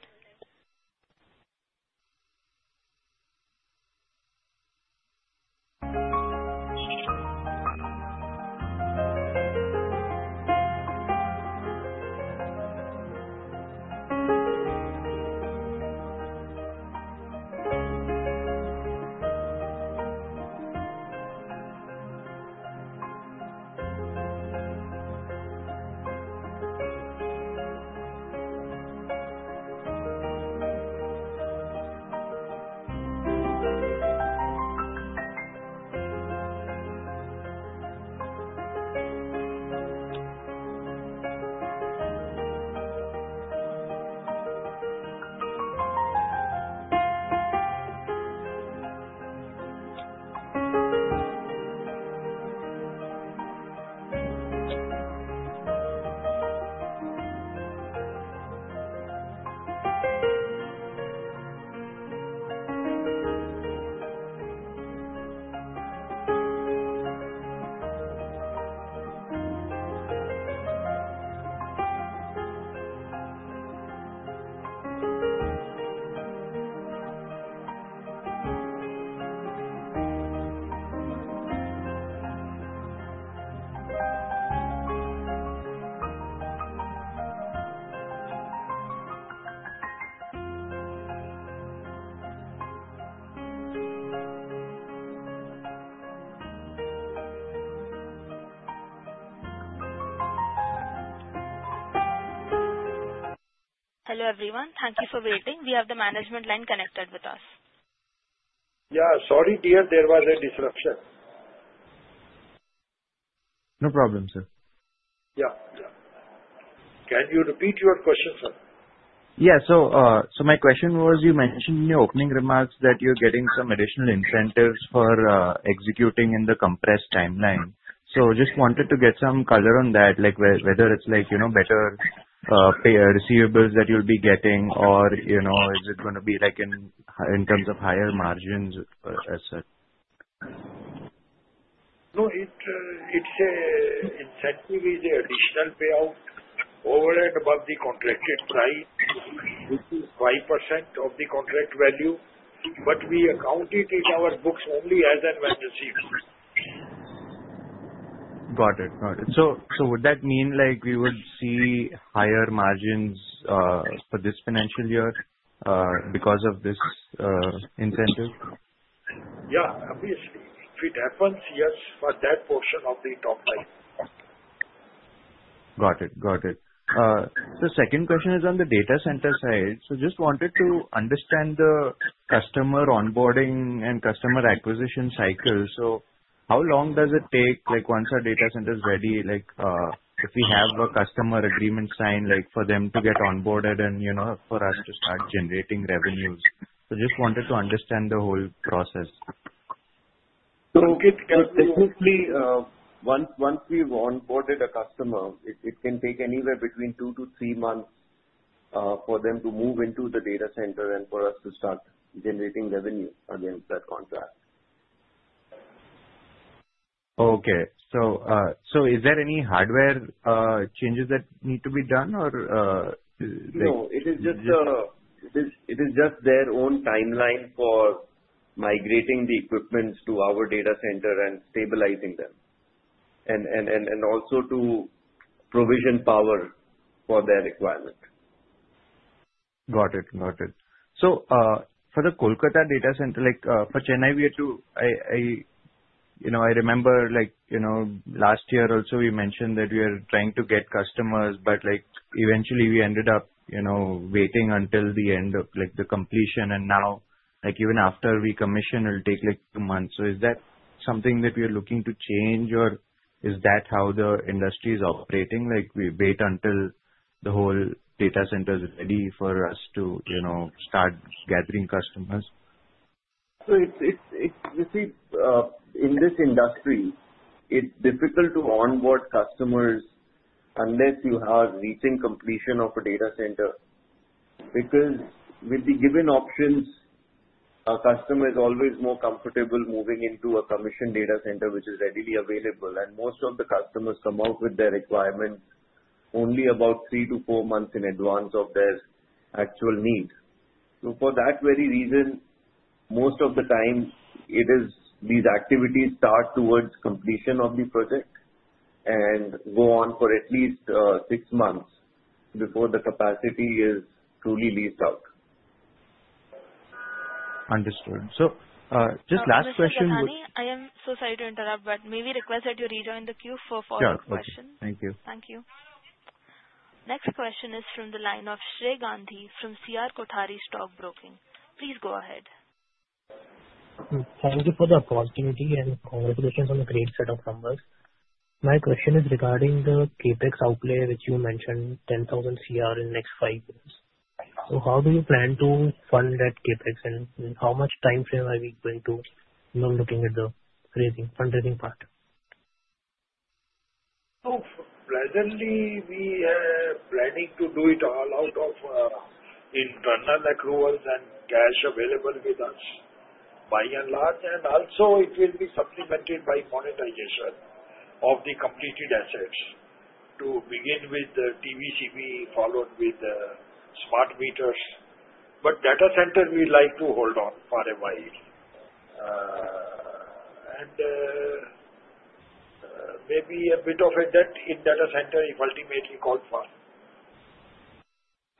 Hello everyone. Thank you for waiting. We have the management line connected with us. Yeah, sorry, dear. There was a disruption. No problem, sir. Yeah, yeah. Can you repeat your question, sir? Yeah. So my question was, you mentioned in your opening remarks that you're getting some additional incentives for executing in the compressed timeline. So I just wanted to get some color on that, whether it's better payable receivables that you'll be getting, or is it going to be in terms of higher margins as such? No, it's an incentive with the additional payout over and above the contracted price, which is 5% of the contract value. But we account it in our books only as an annual receivable. Got it. Got it. So would that mean we would see higher margins for this financial year because of this incentive? Yeah, obviously. If it happens, yes, for that portion of the top line. Got it. Got it. So second question is on the data center side. So just wanted to understand the customer onboarding and customer acquisition cycle. So how long does it take once our data center is ready, if we have a customer agreement signed for them to get onboarded and for us to start generating revenues? So just wanted to understand the whole process. So basically, once we've onboarded a customer, it can take anywhere between two to three months for them to move into the data center and for us to start generating revenue against that contract. Okay. So is there any hardware changes that need to be done or? No, it is just their own timeline for migrating the equipment to our data center and stabilizing them, and also to provision power for their requirement. Got it. Got it. So for the Kolkata data center, for Chennai, we had to, I remember, last year also we mentioned that we were trying to get customers, but eventually we ended up waiting until the end of the completion. And now, even after we commission, it'll take two months. So is that something that we are looking to change, or is that how the industry is operating? We wait until the whole data center is ready for us to start gathering customers? So you see, in this industry, it's difficult to onboard customers unless you are reaching completion of a data center. Because with the given options, a customer is always more comfortable moving into a commissioned data center, which is readily available. And most of the customers come out with their requirements only about three-to-four months in advance of their actual need. So for that very reason, most of the time, these activities start towards completion of the project and go on for at least six months before the capacity is truly leased out. Understood. So just last question. I am so sorry to interrupt, but may we request that you rejoin the queue for a follow-up question? Yeah, of course. Thank you. Thank you. Next question is from the line of Shrey Gandhi from CR Kothari Stock Broking. Please go ahead. Thank you for the opportunity and congratulations on the great set of numbers. My question is regarding the CapEx outlay which you mentioned, 10,000 crore in the next five years. So how do you plan to fund that CapEx, and how much time frame are we going to looking at the fundraising part? So presently, we are planning to do it all out of internal accruals and cash available with us by and large. And also, it will be supplemented by monetization of the completed assets to begin with the TBCB, followed with the smart meters. But data center, we'd like to hold on for a while. And maybe a bit of a debt in data center if ultimately called for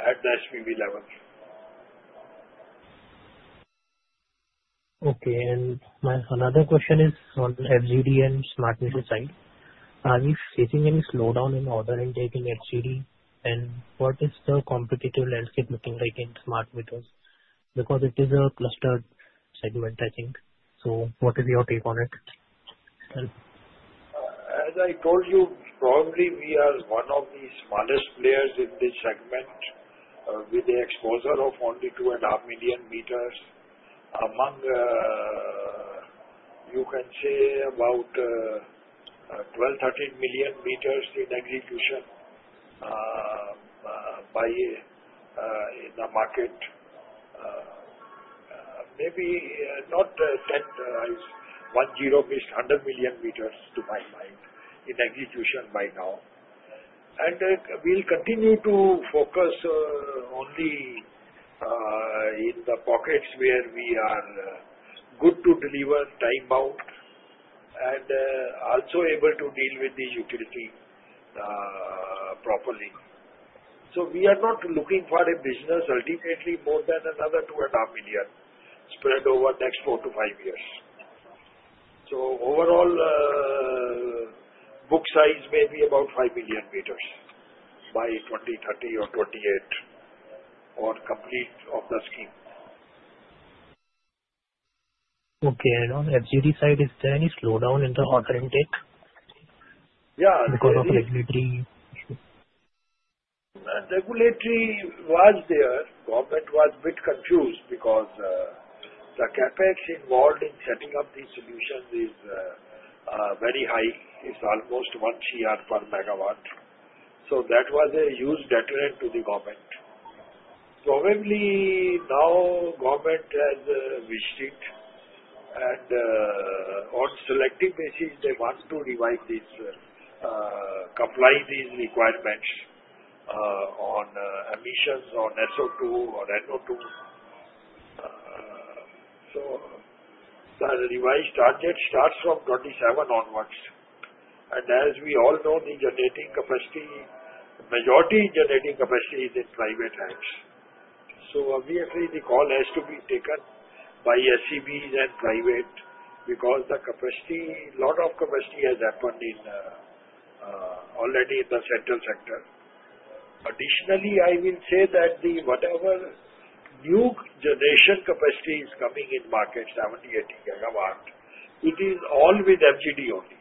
at the SPV level. Okay. My another question is on the FGD and smart meter side. Are we facing any slowdown in order intake for FGD, and what is the competitive landscape looking like in smart meters? Because it is a clustered segment, I think. So what is your take on it? As I told you, probably we are one of the smallest players in this segment with the exposure of only 2.5 million meters among, you can say, about 12, 13 million meters in execution in the market. Maybe not 10, 100 million meters to my mind in execution by now. And we'll continue to focus only in the pockets where we are good to deliver on time and also able to deal with the utility properly. We are not looking for a business ultimately more than another 2.5 million spread over the next four to five years. Overall, book size may be about 5 million meters by 2030 or 2028 or completion of the scheme. Okay. On the FGD side, is there any slowdown in the order intake because of regulatory? Regulatory was there. Government was a bit confused because the CapEx involved in setting up these solutions is very high. It's almost 1 crore per megawatt. That was a huge detriment to the government. Probably now government has waived it, and on a selective basis, they want to revise these, comply with these requirements on emissions on SO2 or NO2. The revised target starts from 2027 onwards. As we all know, the majority generating capacity is in private hands. So obviously, the call has to be taken by SEBs and private because a lot of capacity has happened already in the central sector. Additionally, I will say that whatever new generation capacity is coming in market, 70-80 MW, it is all with FGD only.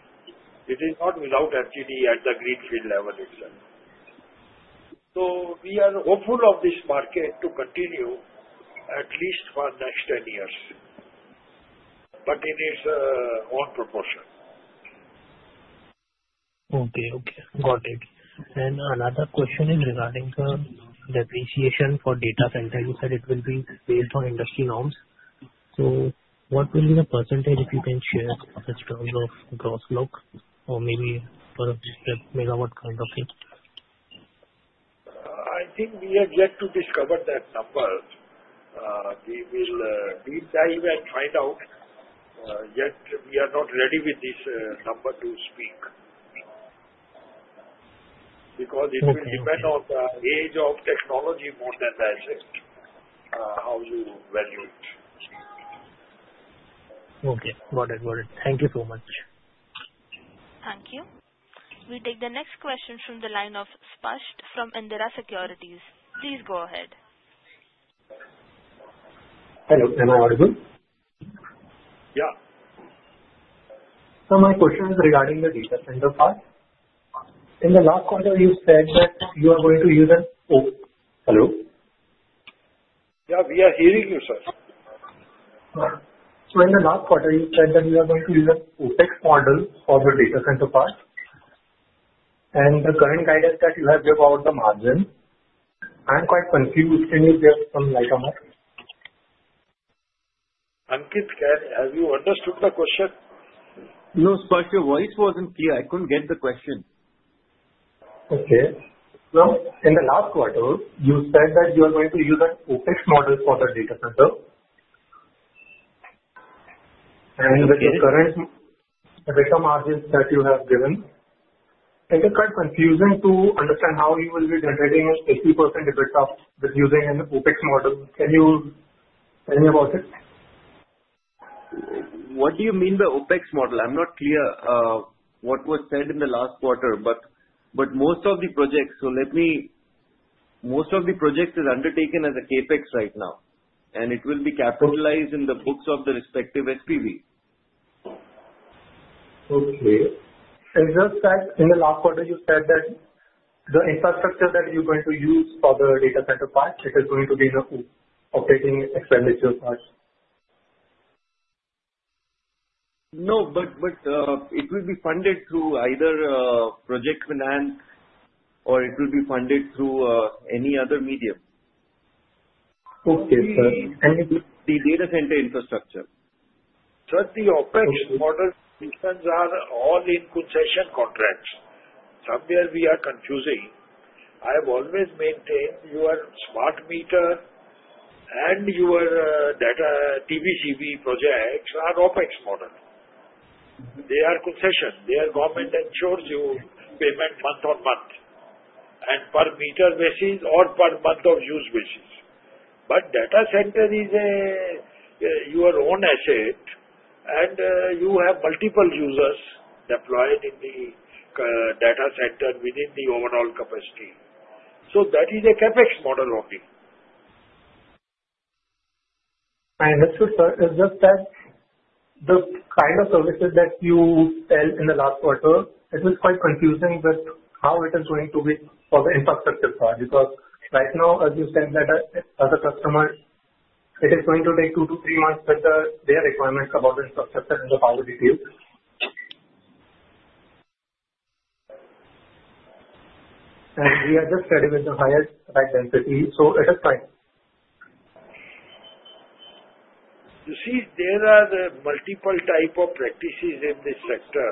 It is not without FGD at the greenfield level itself. So we are hopeful of this market to continue at least for the next 10 years, but in its own proportion. Okay. Okay. Got it. And another question is regarding the depreciation for data center. You said it will be based on industry norms. So what will be the percentage if you can share the terms of gross block or maybe per megawatt kind of thing? I think we are yet to discover that number. We will deep dive and find out. Yet we are not ready with this number to speak because it will depend on the age of technology more than that, how you value it. Okay. Got it. Got it. Thank you so much. Thank you. We take the next question from the line of Sparsh from Indira Securities. Please go ahead. Hello. Hello. How are you? Yeah. So my question is regarding the data center part. In the last quarter, you said that you are going to use an hello? Yeah, we are hearing you, sir. So in the last quarter, you said that you are going to use an OpEx model for the data center part. And the current guidance that you have given about the margin, I'm quite confused. Can you give some light on that? Ankit, have you understood the question? No, Sparsh, your voice wasn't clear. I couldn't get the question. Okay. In the last quarter, you said that you are going to use an OpEx model for the data center. And with the current data margins that you have given, it is quite confusing to understand how you will be generating an 80% effective with using an OpEx model. Can you tell me about it? What do you mean by OpEx model? I'm not clear what was said in the last quarter, but most of the projects are undertaken as a CapEx right now, and it will be capitalized in the books of the respective SPV. Okay. Is it that in the last quarter, you said that the infrastructure that you're going to use for the data center part, it is going to be in the operating expenditure part? No, but it will be funded through either project finance or it will be funded through any other medium. Okay, and the data center infrastructure? Just the OpEx model systems are all in concession contracts. Somewhere we are confusing. I have always maintained your smart meter and your TBCB projects are OpEx model. They are concession. The government ensures you payment month on month and per meter basis or per month of use basis. But data center is your own asset, and you have multiple users deployed in the data center within the overall capacity. So that is a CapEx model only. I understood, sir. It's just that the kind of services that you sell in the last quarter, it was quite confusing with how it is going to be for the infrastructure part. Because right now, as you said, that as a customer, it is going to take two to three months with their requirements about infrastructure and the power details, and we are just ready with the highest density, so it is fine. You see, there are multiple types of practices in this sector.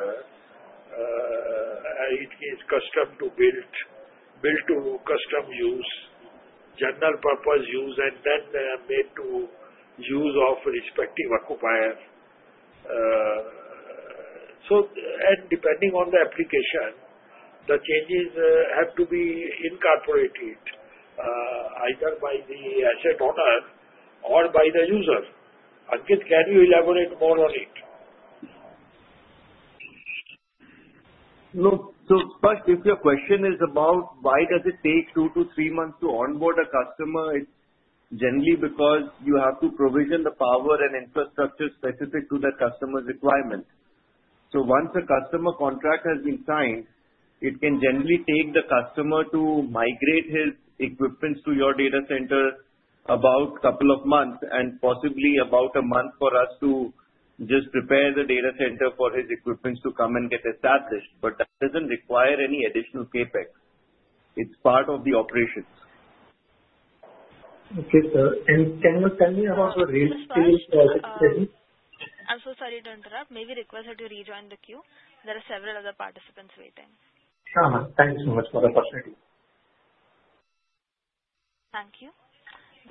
It is custom to build to custom use, general purpose use, and then made to use of respective occupiers, and depending on the application, the changes have to be incorporated either by the asset owner or by the user. Ankit, can you elaborate more on it? No, so first, if your question is about why does it take two to three months to onboard a customer, it's generally because you have to provision the power and infrastructure specific to the customer's requirements. So once a customer contract has been signed, it can generally take the customer to migrate his equipment to your data center about a couple of months and possibly about a month for us to just prepare the data center for his equipment to come and get established. But that doesn't require any additional CapEx. It's part of the operations. Okay, sir. And can you tell me about the rate scale project? I'm so sorry to interrupt. May we request that you rejoin the queue? There are several other participants waiting. Sure, ma'am. Thank you so much for the opportunity. Thank you.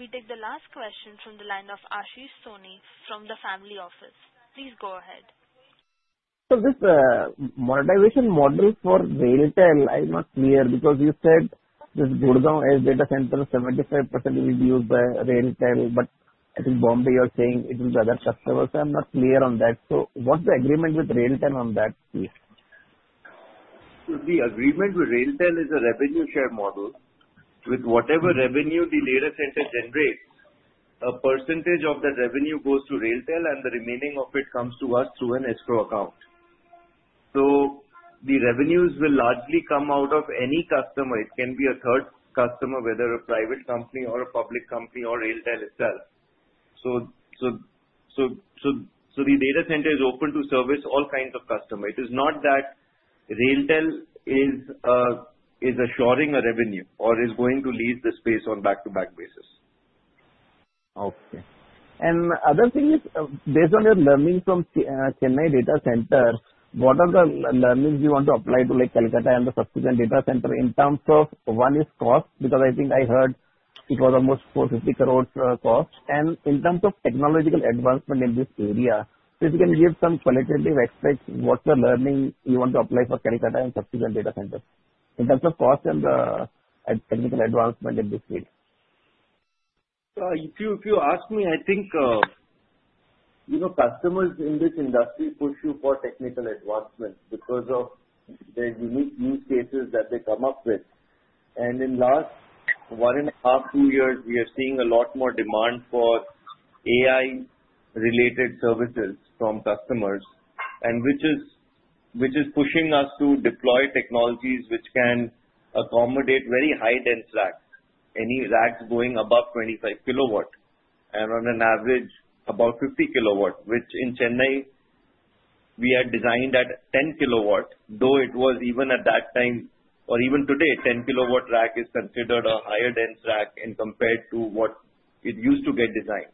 We take the last question from the line of Ashish Soni from The Family Office. Please go ahead. So this monetization model for RailTel, I'm not clear because you said this Gurgaon edge data center, 75% is used by RailTel, but I think Mumbai you're saying it is other customers. I'm not clear on that. So what's the agreement with RailTel on that piece? The agreement with RailTel is a revenue share model. With whatever revenue the data center generates, a percentage of that revenue goes to RailTel, and the remaining of it comes to us through an escrow account. So the revenues will largely come out of any customer. It can be a third customer, whether a private company or a public company or RailTel itself. So the data center is open to service all kinds of customers. It is not that RailTel is assuring a revenue or is going to lease the space on a back-to-back basis. Okay. And other thing is, based on your learning from Chennai Data Center, what are the learnings you want to apply to Kolkata and the subsequent data center in terms of one is cost? Because I think I heard it was almost 450 crores cost. And in terms of technological advancement in this area, if you can give some qualitative aspects, what's the learning you want to apply for Kolkata and subsequent data centers in terms of cost and technical advancement in this field? If you ask me, I think customers in this industry push you for technical advancement because of the unique use cases that they come up with. In the last one and a half, two years, we are seeing a lot more demand for AI-related services from customers, which is pushing us to deploy technologies which can accommodate very high-density racks, any racks going above 25 KW, and on average, about 50 KW, which in Chennai we had designed at 10 KW, though it was even at that time, or even today, a 10 KW rack is considered a higher-density rack compared to what it used to get designed.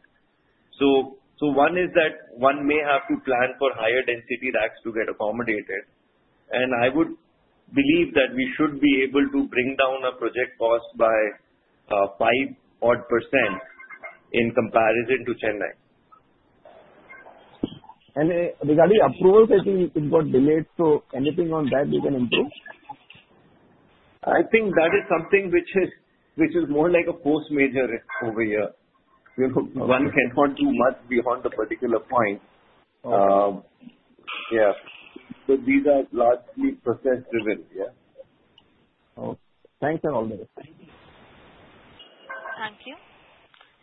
One is that one may have to plan for higher-density racks to get accommodated. I would believe that we should be able to bring down a project cost by five-odd% in comparison to Chennai. Regarding approvals, I think it got delayed. Anything on that we can improve? I think that is something which is more like a post-merger overview here. One cannot do much beyond the particular point. Yeah. So these are largely process-driven, yeah? Okay. Thanks a lot. Thank you. Thank you.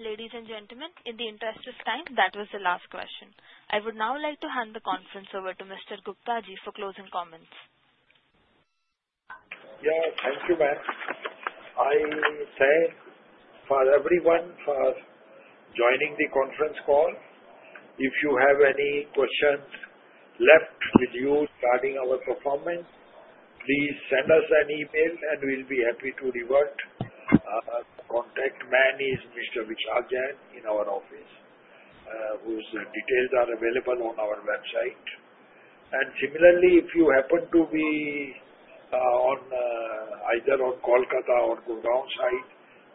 Ladies and gentlemen, in the interest of time, that was the last question. I would now like to hand the conference over to Mr. Guptaji for closing comments. Yeah. Thank you, ma'am. I thank everyone for joining the conference call. If you have any questions left with you regarding our performance, please send us an email, and we'll be happy to revert. The contact man is Mr. Vishal Jain in our office, whose details are available on our website. And similarly, if you happen to be either on Kolkata or Gurgaon side,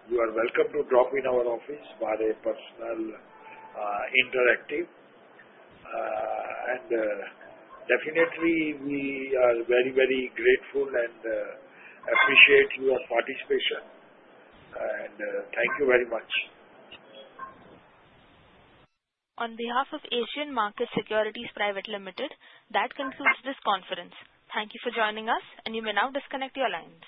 you are welcome to drop in our office for a personal interactive. And definitely, we are very, very grateful and appreciate your participation. And thank you very much. On behalf of Asian Markets Securities Limited, that concludes this conference. Thank you for joining us, and you may now disconnect your line.